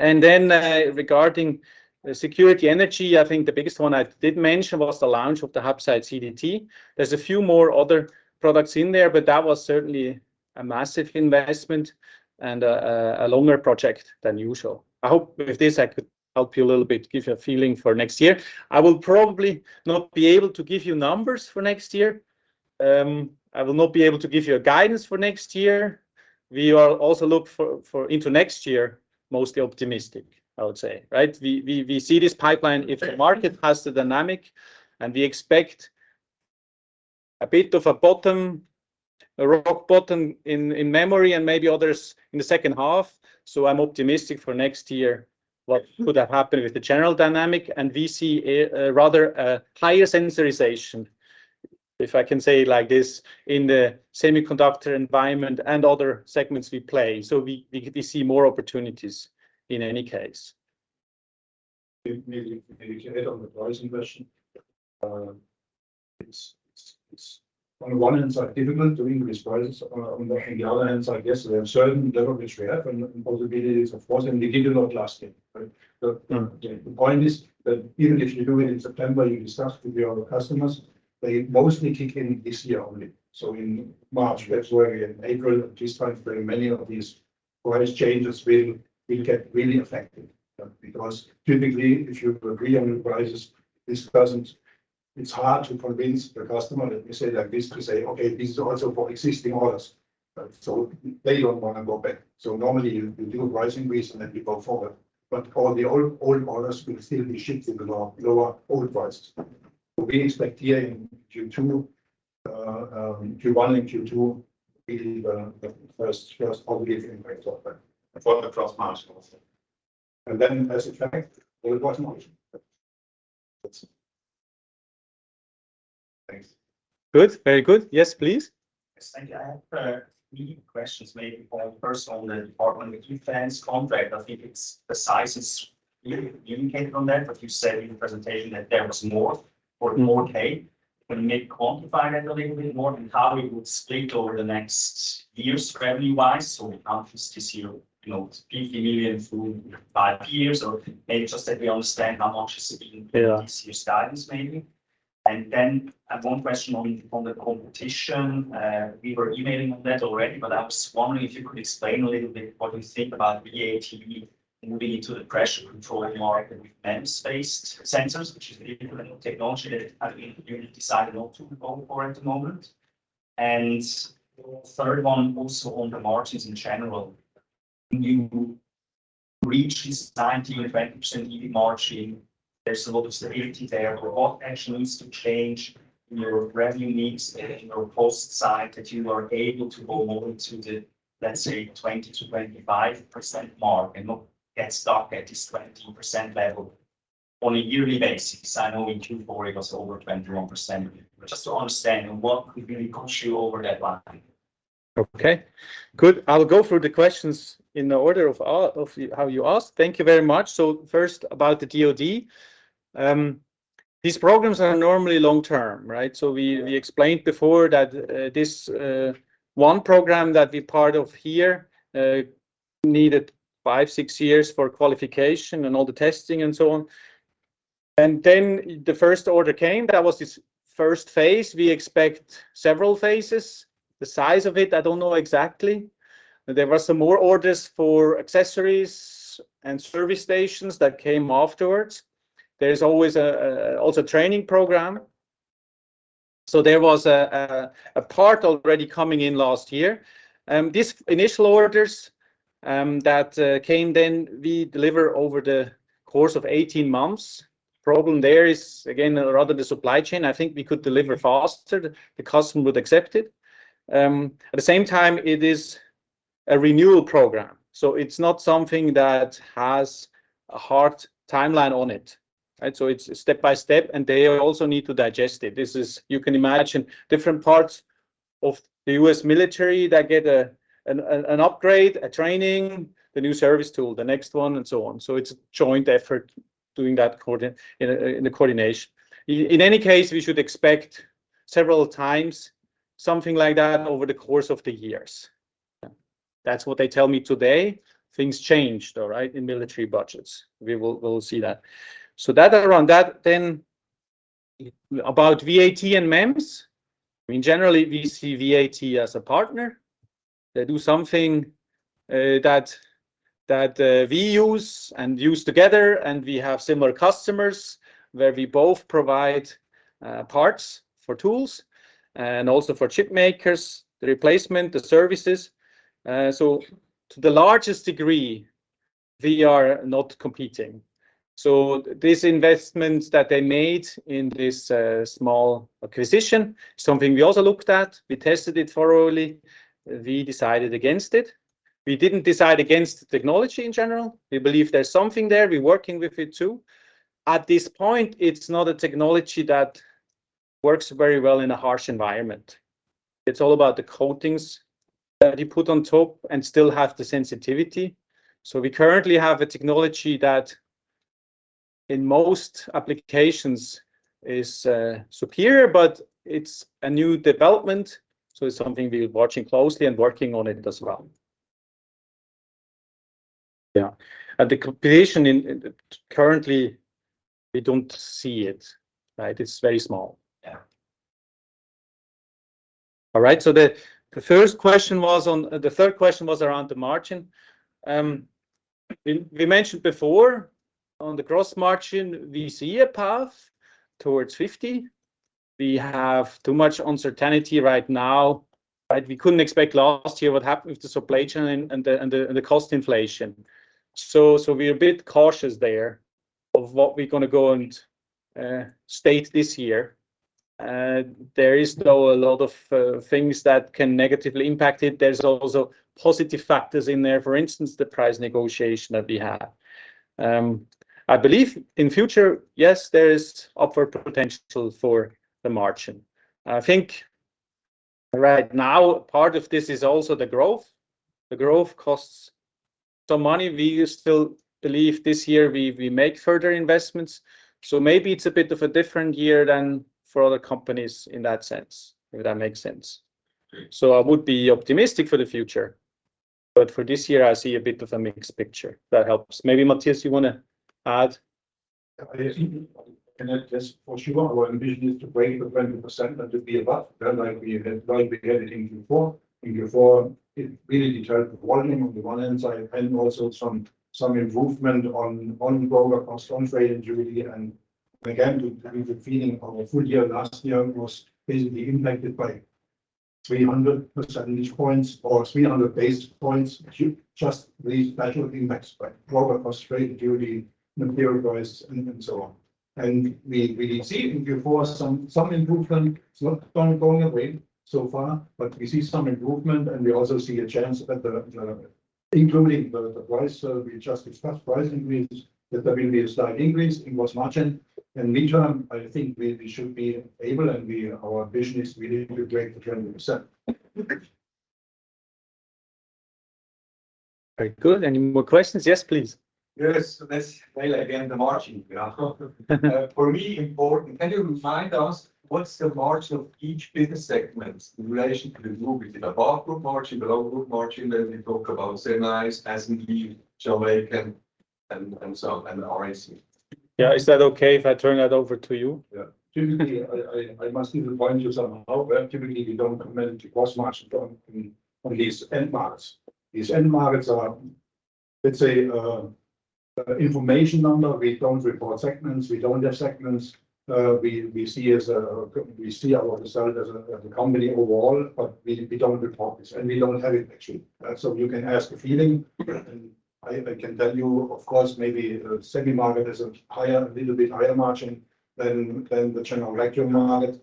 Regarding the Security and Energy, I think the biggest one I did mention was the launch of the HAPSITE CDT. There's a few more other products in there, but that was certainly a massive investment and a longer project than usual. I hope with this I could help you a little bit, give you a feeling for next year. I will probably not be able to give you numbers for next year. I will not be able to give you a guidance for next year. We are also look for into next year mostly optimistic, I would say, right? We see this pipeline. If the market has the dynamic and we expect a bit of a bottom, a rock bottom in memory and maybe others in the second half, I'm optimistic for next year what could have happened with the general dynamic, and we see a rather higher sensorization, if I can say it like this, in the semiconductor environment and other segments we play. We see more opportunities in any case. Maybe to add on the pricing question. It's on the one hand side difficult doing these prices. On the other hand side, yes, there are certain levels which we have and possibilities, of course, and they did not last year, right? The point is that even if you do it in September, you discuss with your customers, they mostly kick in this year only. In March, February, and April, at this time frame, many of these price changes will get really effective, right? Because typically, if you agree on your prices, it's hard to convince the customer, let me say it like this, to say, "Okay, this is also for existing orders." Right? They don't want to go back. Normally, you do a pricing raise, and then you go forward. All the old orders will still be shipped in the low, lower old prices. We expect here in Q2, Q1 and Q2 will be the first obvious impact of that. Across margins also. As a fact, the gross margin. That's it. Thanks. Good. Very good. Yes, please. Yes. Thank you. I have three questions maybe. One first on the Department of Defense contract. I think it's the size is limited on that, but you said in the presentation that there was more to take. Can you maybe quantify that a little bit more and how it would split over the next years revenue-wise? It comes this year, you know, $50 million through 5 years, or maybe just that we understand how much is it in this year's guidance maybe. Then I have one question on the competition. We were emailing on that already, but I was wondering if you could explain a little bit what you think about VAT moving into the pressure control market with MEMS-based sensors, which is a different technology that I think you decided not to go for at the moment. The third one also on the margins in general reaches 19% and 20% EBIT margin. There's a lot of stability there. What actually needs to change in your revenue mix, in your post side, that you are able to go more into the, let's say, 20%-25% mark and not get stuck at this 20% level on a yearly basis? I know in 2024 it was over 21%. Just to understand what could really push you over that line. Okay, good. I'll go through the questions in the order of how you asked. Thank you very much. First about the DoD. These programs are normally long-term, right? We explained before that this one program that we're part of here, needed five, six years for qualification and all the testing and so on. Then the first order came. That was this first phase. We expect several phases. The size of it, I don't know exactly. There were some more orders for accessories and service stations that came afterwards. There's always a training program. There was a part already coming in last year. These initial orders that came then we deliver over the course of 18 months. Problem there is, again, rather the supply chain. I think we could deliver faster. The customer would accept it. At the same time, it is a renewal program, it's not something that has a hard timeline on it, right? It's step by step, they also need to digest it. You can imagine different parts of the U.S. military that get an upgrade, a training, the new service tool, the next one, and so on. It's a joint effort doing that in a coordination. In any case, we should expect several times something like that over the course of the years. That's what they tell me today. Things change, though, right? In military budgets. We'll see that. That around that. About VAT and MEMS, I mean, generally, we see VAT as a partner. They do something that we use and use together, and we have similar customers, where we both provide parts for tools and also for chip makers, the replacement, the services. To the largest degree, we are not competing. This investment that they made in this small acquisition, something we also looked at, we tested it thoroughly, we decided against it. We didn't decide against technology in general. We believe there's something there. We're working with it too. At this point, it's not a technology that works very well in a harsh environment. It's all about the coatings that you put on top and still have the sensitivity. We currently have a technology that in most applications is superior, but it's a new development, so it's something we're watching closely and working on it as well. Yeah. The competition currently, we don't see it, right? It's very small. Yeah. The first question was the third question was around the margin. We mentioned before on the gross margin, we see a path towards 50%. We have too much uncertainty right now, right? We couldn't expect last year what happened with the supply chain and the cost inflation. We're a bit cautious there of what we're gonna go and state this year. There is still a lot of things that can negatively impact it. There's also positive factors in there, for instance, the price negotiation that we have. I believe in future, yes, there is upward potential for the margin. I think right now part of this is also the growth. The growth costs some money. We still believe this year we make further investments. Maybe it's a bit of a different year than for other companies in that sense, if that makes sense. I would be optimistic for the future. For this year, I see a bit of a mixed picture. That helps. Maybe Matthias you wanna add? I think, that is for sure, our ambition is to break the 20% and to be above. Like we had it in Q4. In Q4, it really determined the volume on the one hand side, and also some improvement on global cost on trade and duty. Again, we, the feeling of a full year last year was basically impacted by 300 percentage points or 300 basis points just these special impacts by global cost, trade and duty, material price and so on. We see in Q4 some improvement. It's not gone away so far, but we see some improvement, and we also see a chance that the including the price we just discussed price increase that maybe a slight increase in gross margin. Midterm, I think we should be able and our ambition is really to break the 20%. Very good. Any more questions? Yes, please. Yes. Let's play again the margin, Jakob. For me important, can you remind us what's the margin of each business segment in relation to the group? Is it above group margin, below group margin? We talk about Semi's, SMIC, Jamaican and so on, and RSC. Yeah. Is that okay if I turn that over to you? Yeah. Typically, I must even point you somehow, typically, we don't comment gross margin on these end markets. These end markets are, let's say, we don't report segments. We don't have segments. We see our result as a company overall, we don't report this and we don't have it actually. You can ask a feeling. I can tell you, of course, maybe the Semi market is a higher, a little bit higher margin than the General Vacuum market.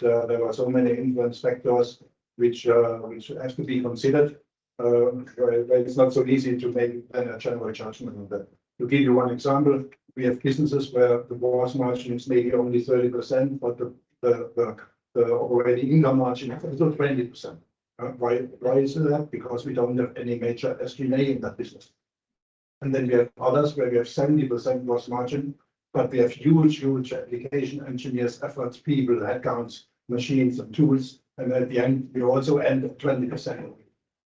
There are so many influence factors which have to be considered. It's not so easy to make then a general judgment on that. To give you one example, we have businesses where the gross margin is maybe only 30%, but the already income margin is still 20%. Why? Why is it that? Because we don't have any major SG&A in that business. Then we have others where we have 70% gross margin, but we have huge, huge application engineers, efforts, people, headcounts, machines and tools, and at the end we also end up 20%.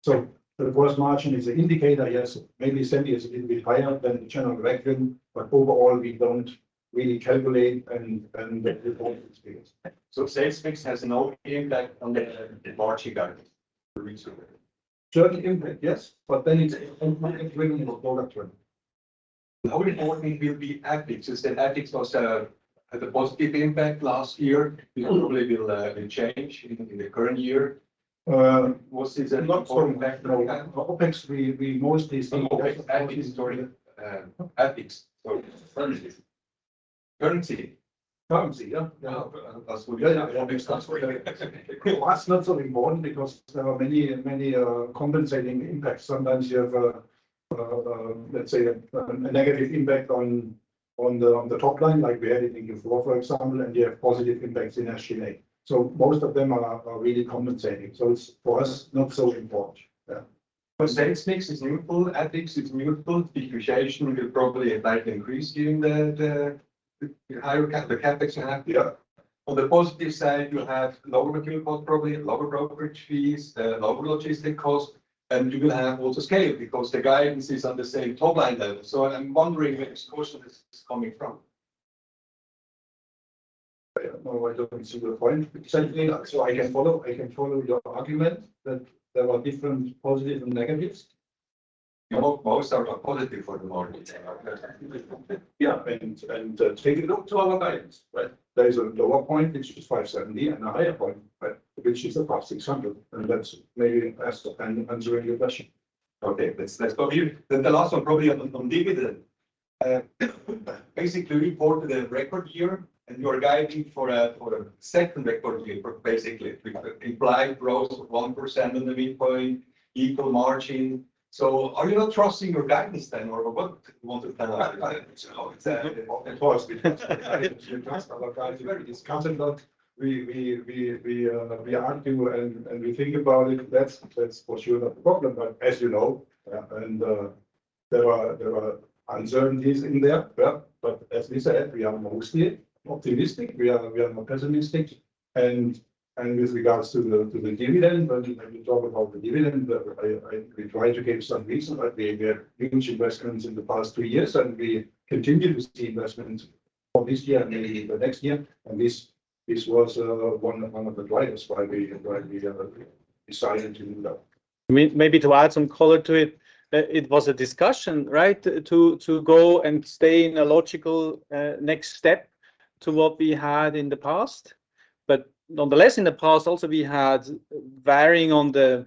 The gross margin is an indicator, yes. Maybe semi is a little bit higher than the General Vacuum, overall, we don't really calculate and get the whole experience. Sales mix has no impact on the margin guidance for next year? Certainly impact, yes. It's implemented during the product run. How important will be OpEx? OpEx was a positive impact last year. It probably will change in the current year. Not so important. No. OpEx we mostly OpEx or currency. Currency. Currency, yeah. Yeah. That's good. Yeah. Yeah. The currency is not so important because there are many, many compensating impacts. Sometimes you have a, let's say a negative impact on the top line, like we had in Q4 for example, and you have positive impacts in SG&A. Most of them are really compensating. It's for us not so important. Yeah. Sales mix is neutral. OpEx is neutral. Depreciation will probably a slight increase given the higher CapEx you have. Yeah. On the positive side, you'll have lower material costs, probably lower brokerage fees, lower logistic costs, and you will have also scale because the guidance is on the same top line level. I'm wondering where this question is coming from. I don't know. I don't see your point exactly. I can follow your argument that there are different positive and negatives. Most are positive for the margin. Yeah. Take a look to our guidance, right? There is a lower point which is 570 and a higher point, right, which is above 600, and that's maybe answers your question. Okay. Let's go here. The last one probably on dividend. Basically report the record year and you are guiding for a second record year basically with implied growth of 1% in the midpoint, equal margin. Are you not trusting your guidance then or what you want to tell us? Of course we trust our guidance. It's coming, but we argue and we think about it. That's for sure the problem. As you know yeah and, there are uncertainties in there. As we said, we are mostly optimistic. We are not pessimistic. With regards to the dividend, when you talk about the dividend, I--we try to give some reason, but we have big investments in the past three years and we continue with the investment for this year and maybe the next year. This was one of the drivers why we have decided to do that. Maybe to add some color to it was a discussion, right? To go and stay in a logical next step to what we had in the past. Nonetheless, in the past also we had varying on the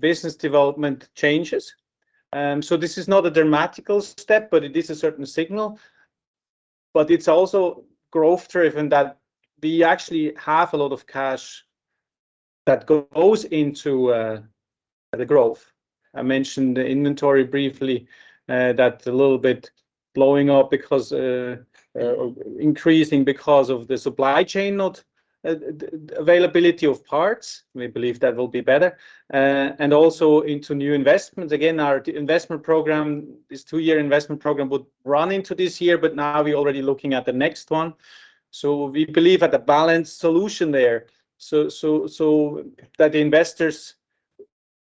business development changes. This is not a dramatical step, but it is a certain signal. It's also growth-driven that we actually have a lot of cash that goes into the growth. I mentioned the inventory briefly, that's a little bit blowing up because increasing because of the supply chain, not availability of parts. We believe that will be better. And also into new investments. Again, our investment program, this two-year investment program would run into this year, now we're already looking at the next one. We believe at a balanced solution there. That the investors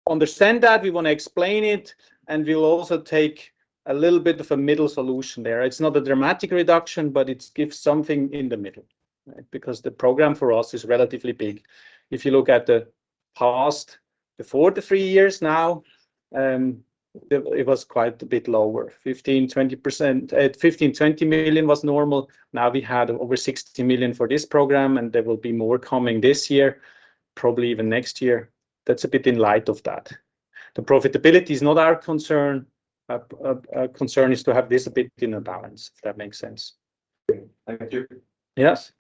understand that, we wanna explain it and we'll also take a little bit of a middle solution there. It's not a dramatic reduction, but it gives something in the middle, right? The program for us is relatively big. If you look at the past, the four to three years now, it was quite a bit lower, 15%-20%. $15 million-$20 million was normal. Now we had over $60 million for this program, and there will be more coming this year, probably even next year. That's a bit in light of that. The profitability is not our concern. Our concern is to have this a bit in a balance, if that makes sense. Thank you. Yes.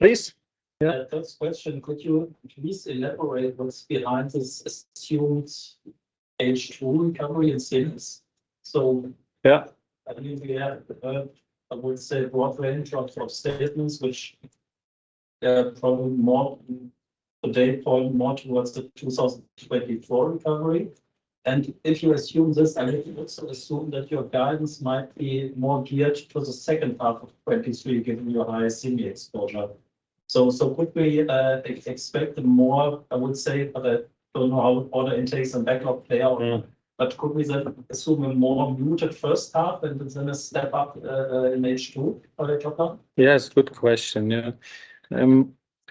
Please. Yeah. First question, could you please elaborate what's behind this assumed H2 recovery in sales? Yeah I believe we have, I would say broad range of statements which, probably more the data point more towards the 2024 recovery. If you assume this, I need to also assume that your guidance might be more geared towards the second half of 2023, given your higher Semi exposure. Could we expect more, I would say, but I don't know how order intakes and backlog play out? Could we then assume a more muted first half and then a step up in H2 later on? Yes. Good question. Yeah. I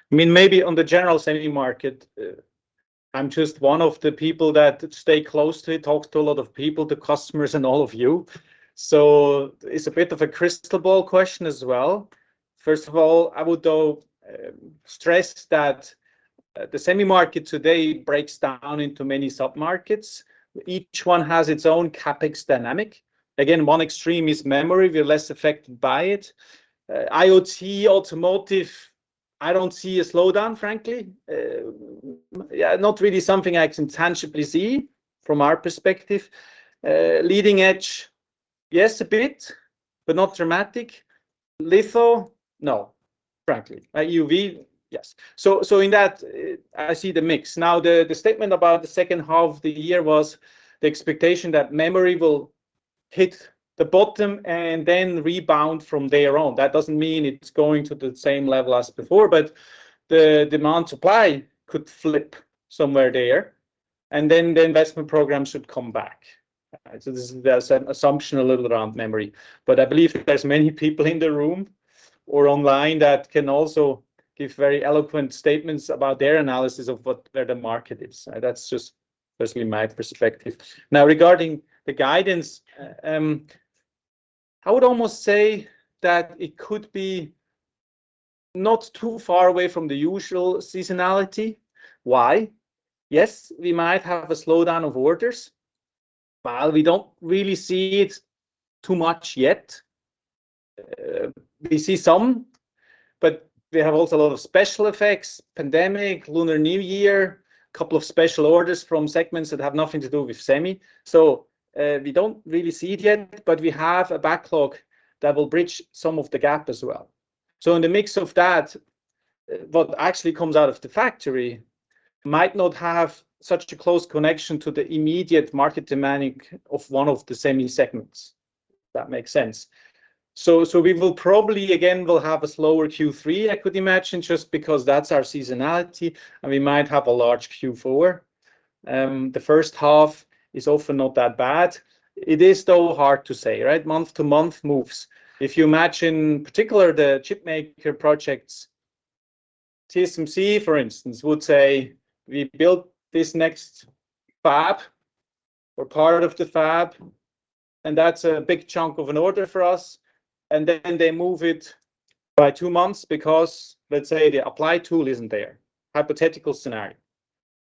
mean, maybe on the general semi market, I'm just one of the people that stay close to it, talks to a lot of people, the customers, and all of you, so it's a bit of a crystal ball question as well. First of all, I would, though, stress that the semi market today breaks down into many sub-markets. Each one has its own CapEx dynamic. Again, one extreme is memory. We're less affected by it. IoT, automotive, I don't see a slowdown, frankly. Yeah, not really something I can tangibly see from our perspective. Leading edge, yes, a bit, but not dramatic. Litho, no, frankly. EUV, yes. In that I see the mix. Now, the statement about the second half of the year was the expectation that memory will hit the bottom and then rebound from there on. That doesn't mean it's going to the same level as before, but the demand supply could flip somewhere there, and then the investment program should come back. There's an assumption a little bit around memory, but I believe there's many people in the room or online that can also give very eloquent statements about their analysis of what where the market is. That's just personally my perspective. Now, regarding the guidance, I would almost say that it could be not too far away from the usual seasonality. Why? Yes, we might have a slowdown of orders. While we don't really see it too much yet, we see some, but we have also a lot of special effects, pandemic, Lunar New Year, couple of special orders from segments that have nothing to do with semi. We don't really see it yet, but we have a backlog that will bridge some of the gap as well. In the mix of that, what actually comes out of the factory might not have such a close connection to the immediate market demanding of one of the semi segments. That makes sense. We will probably, again, will have a slower Q3, I could imagine, just because that's our seasonality, and we might have a large Q4. The first half is often not that bad. It is still hard to say, right? Month-to-month moves. If you imagine particular the chip maker projects, TSMC, for instance, would say, "We built this next fab or part of the fab," and that's a big chunk of an order for us, and then they move it by 2 months because, let's say, the applied tool isn't there. Hypothetical scenario.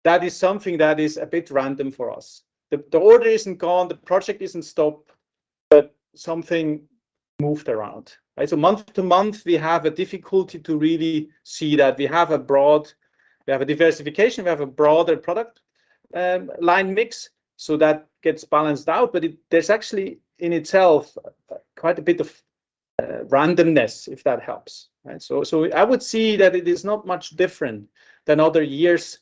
That is something that is a bit random for us. The, the order isn't gone, the project isn't stopped, but something moved around. Right? Month-to-month, we have a difficulty to really see that. We have a diversification, we have a broader product, line mix, so that gets balanced out. There's actually, in itself, quite a bit of randomness, if that helps. Right? I would see that it is not much different than other years,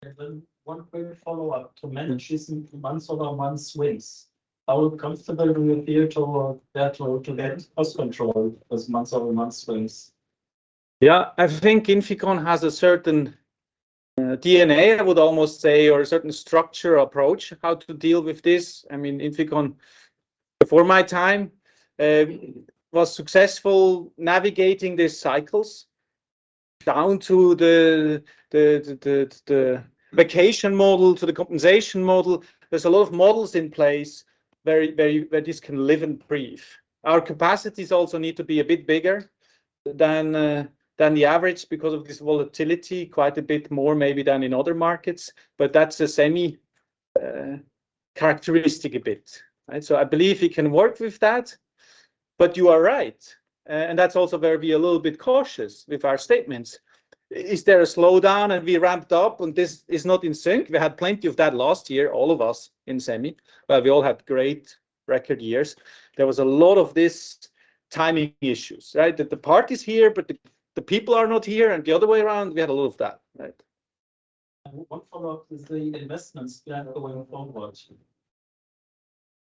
taking all what I just said into account. One quick follow-up. To manage these month-over-month swings, how comfortable do you feel to get cost control as month-over-month swings? I think INFICON has a certain DNA, I would almost say, or a certain structure approach how to deal with this. I mean, INFICON, before my time, was successful navigating these cycles down to the vacation model, to the compensation model. There's a lot of models in place where this can live and breathe. Our capacities also need to be a bit bigger than the average because of this volatility, quite a bit more maybe than in other markets, but that's a semi characteristic a bit. Right? I believe we can work with that. You are right, and that's also where we are a little bit cautious with our statements. Is there a slowdown, and we ramped up, and this is not in sync? We had plenty of that last year, all of us in semi, where we all had great record years. There was a lot of this timing issues, right? The part is here, but the people are not here, and the other way around. We had a lot of that, right? One follow-up is the investments plan going forward.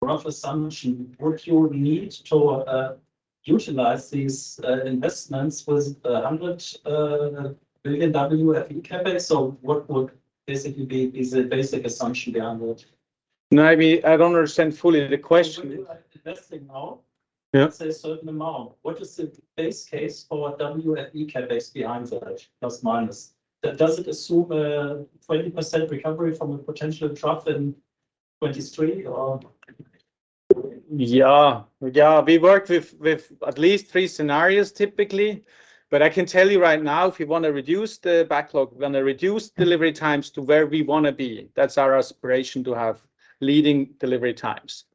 Rough assumption, would you need to utilize these investments with $100 billion WFE CapEx? Is the basic assumption behind it? Maybe I don't understand fully the question. You are investing now. Yeah. Let's say a certain amount. What is the base case for WFE CapEx behind that, plus, minus? Does it assume a 20% recovery from a potential trough in 2023 or? Yeah. We work with at least three scenarios typically. I can tell you right now, if we wanna reduce the backlog, we're gonna reduce delivery times to where we wanna be. That's our aspiration, to have leading delivery times.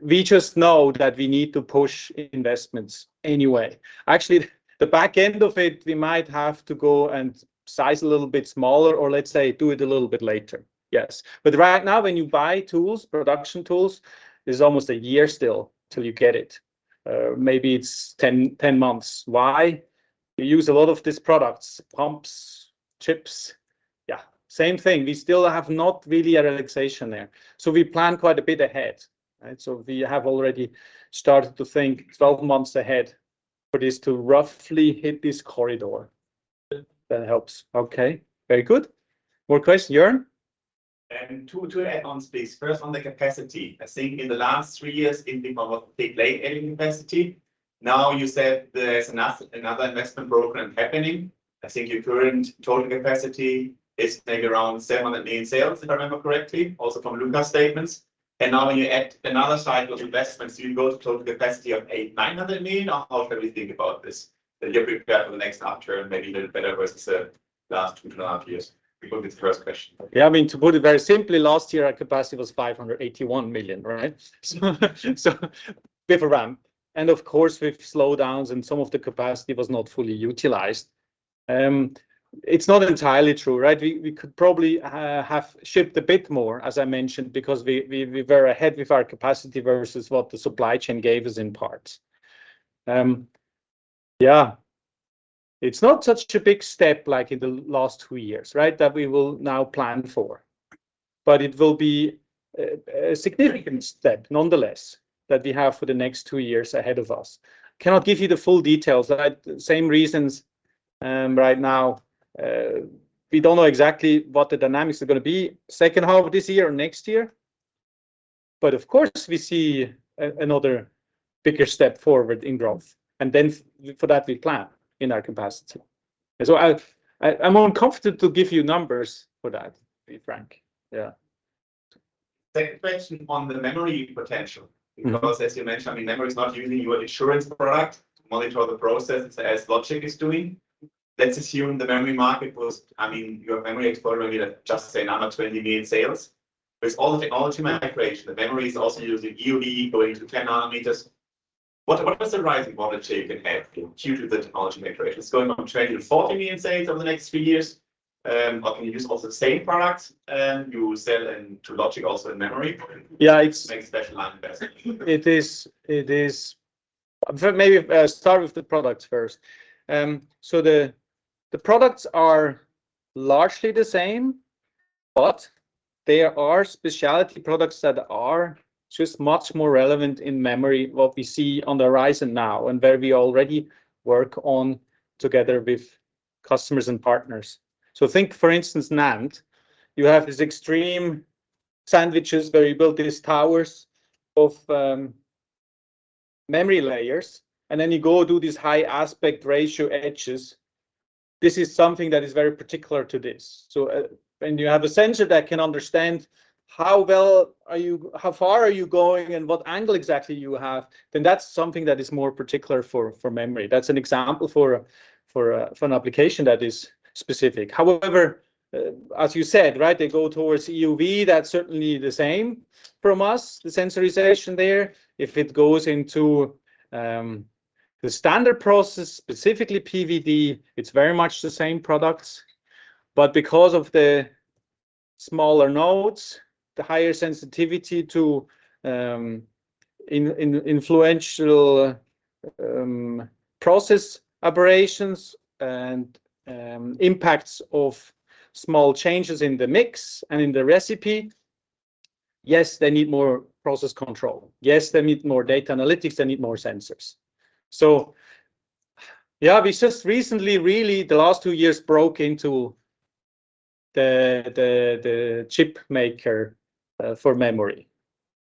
We just know that we need to push investments anyway. Actually, the back end of it, we might have to go and size a little bit smaller or, let's say, do it a little bit later. Yes. Right now, when you buy tools, production tools, there's almost a year still till you get it. Maybe it's 10 months. Why? We use a lot of these products, pumps, chips. Yeah, same thing. We still have not really a relaxation there. We plan quite a bit ahead, right? We have already started to think 12 months ahead for this to roughly hit this corridor. That helps. Okay. Very good. More question. Jörn? Two add-ons, please. First, on the capacity. I think in the last three years it became a big lane adding capacity. You said there's another investment program happening. I think your current total capacity is maybe around $700 million sales, if I remember correctly, also from Lukas statements. When you add another cycle of investments, you go to total capacity of $800 million-$900 million. How do we think about this? That you're prepared for the next after and maybe a little better versus the last two and a half years. We call this the first question. Yeah. I mean, to put it very simply, last year our capacity was $581 million, right? Bit of a ramp. Of course, with slowdowns and some of the capacity was not fully utilized. It's not entirely true, right? We could probably have shipped a bit more, as I mentioned, because we were ahead with our capacity versus what the supply chain gave us in parts. Yeah, it's not such a big step like in the last two years, right? That we will now plan for. It will be a significant step nonetheless that we have for the next two years ahead of us. Cannot give you the full details. Same reasons, right now, we don't know exactly what the dynamics are gonna be second half of this year or next year. Of course, we see a, another bigger step forward in growth. Then for that, we plan in our capacity. So I'm uncomfortable to give you numbers for that, to be frank. Yeah. Second question on the memory potential because as you mentioned, I mean, memory is not usually your insurance product. Monitor the process as logic is doing. Let's assume the memory market was, I mean, your memory exposure maybe like just say another $20 million sales. With all the technology migration, the memory is also using EUV, going to 10 nanometers. What was the rising volume shape in F2 to the technology migration? It's going on $20 million-$40 million sales over the next few years, or can you use also the same products you sell in, to logic also in memory? Yeah. Make special line investment. It is. Maybe, start with the products first. The products are largely the same, but there are specialty products that are just much more relevant in memory, what we see on the horizon now, and where we already work on together with customers and partners. Think, for instance, NAND. You have these extreme sandwiches where you build these towers of memory layers, and then you go do these high aspect ratio edges. This is something that is very particular to this. When you have a sensor that can understand how far are you going and what angle exactly you have, then that's something that is more particular for memory. That's an example for an application that is specific. As you said, right, they go towards EUV, that's certainly the same from us, the sensorization there. If it goes into the standard process, specifically PVD, it's very much the same products. Because of the smaller nodes, the higher sensitivity to influential process aberrations and impacts of small changes in the mix and in the recipe, yes, they need more process control. Yes, they need more data analytics, they need more sensors. We just recently, really, the last two years broke into the chip maker for memory.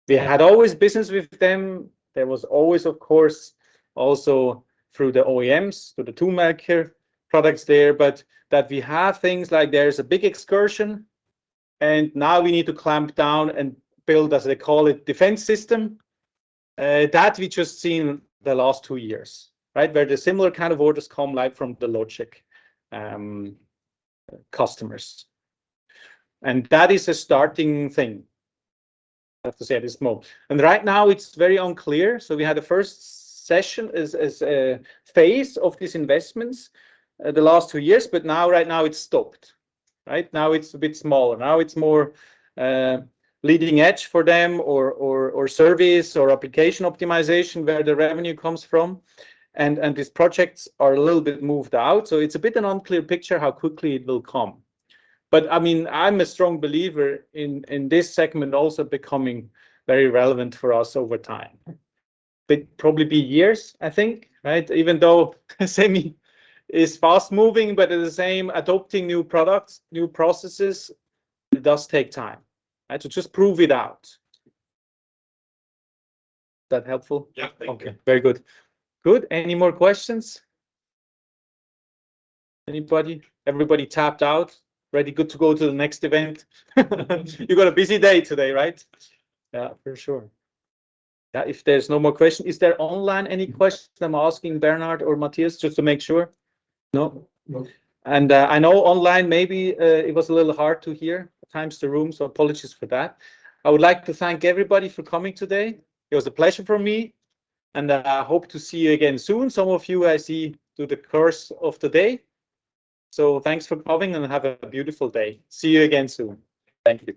We had always business with them. There was always, of course, also through the OEMs, through the tool maker products there, but that we have things like there is a big excursion, and now we need to clamp down and build, as they call it, defense system. That we just seen the last two years, right, where the similar kind of orders come like from the logic customers. That is a starting thing. I have to say it is small. Right now it's very unclear. We had the first session as a phase of these investments the last two years, but now, right now it's stopped. Right now it's a bit smaller. Now it's more leading edge for them, or service or application optimization where the revenue comes from. These projects are a little bit moved out, so it's a bit an unclear picture how quickly it will come. I mean, I'm a strong believer in this segment also becoming very relevant for us over time. It probably be years, I think, right? Even though semi is fast-moving, but at the same, adopting new products, new processes, it does take time, right? To just prove it out. That helpful? Yeah. Thank you. Okay. Very good. Good. Any more questions? Anybody? Everybody tapped out. Ready, good to go to the next event. You got a busy day today, right? Yeah, for sure. Yeah, if there's no more question. Is there online any questions I'm asking Bernard or Matthias, just to make sure? No? No. I know online maybe, it was a little hard to hear at times the room, so apologies for that. I would like to thank everybody for coming today. It was a pleasure for me, and, I hope to see you again soon. Some of you I see through the course of the day. Thanks for coming, and have a beautiful day. See you again soon. Thank you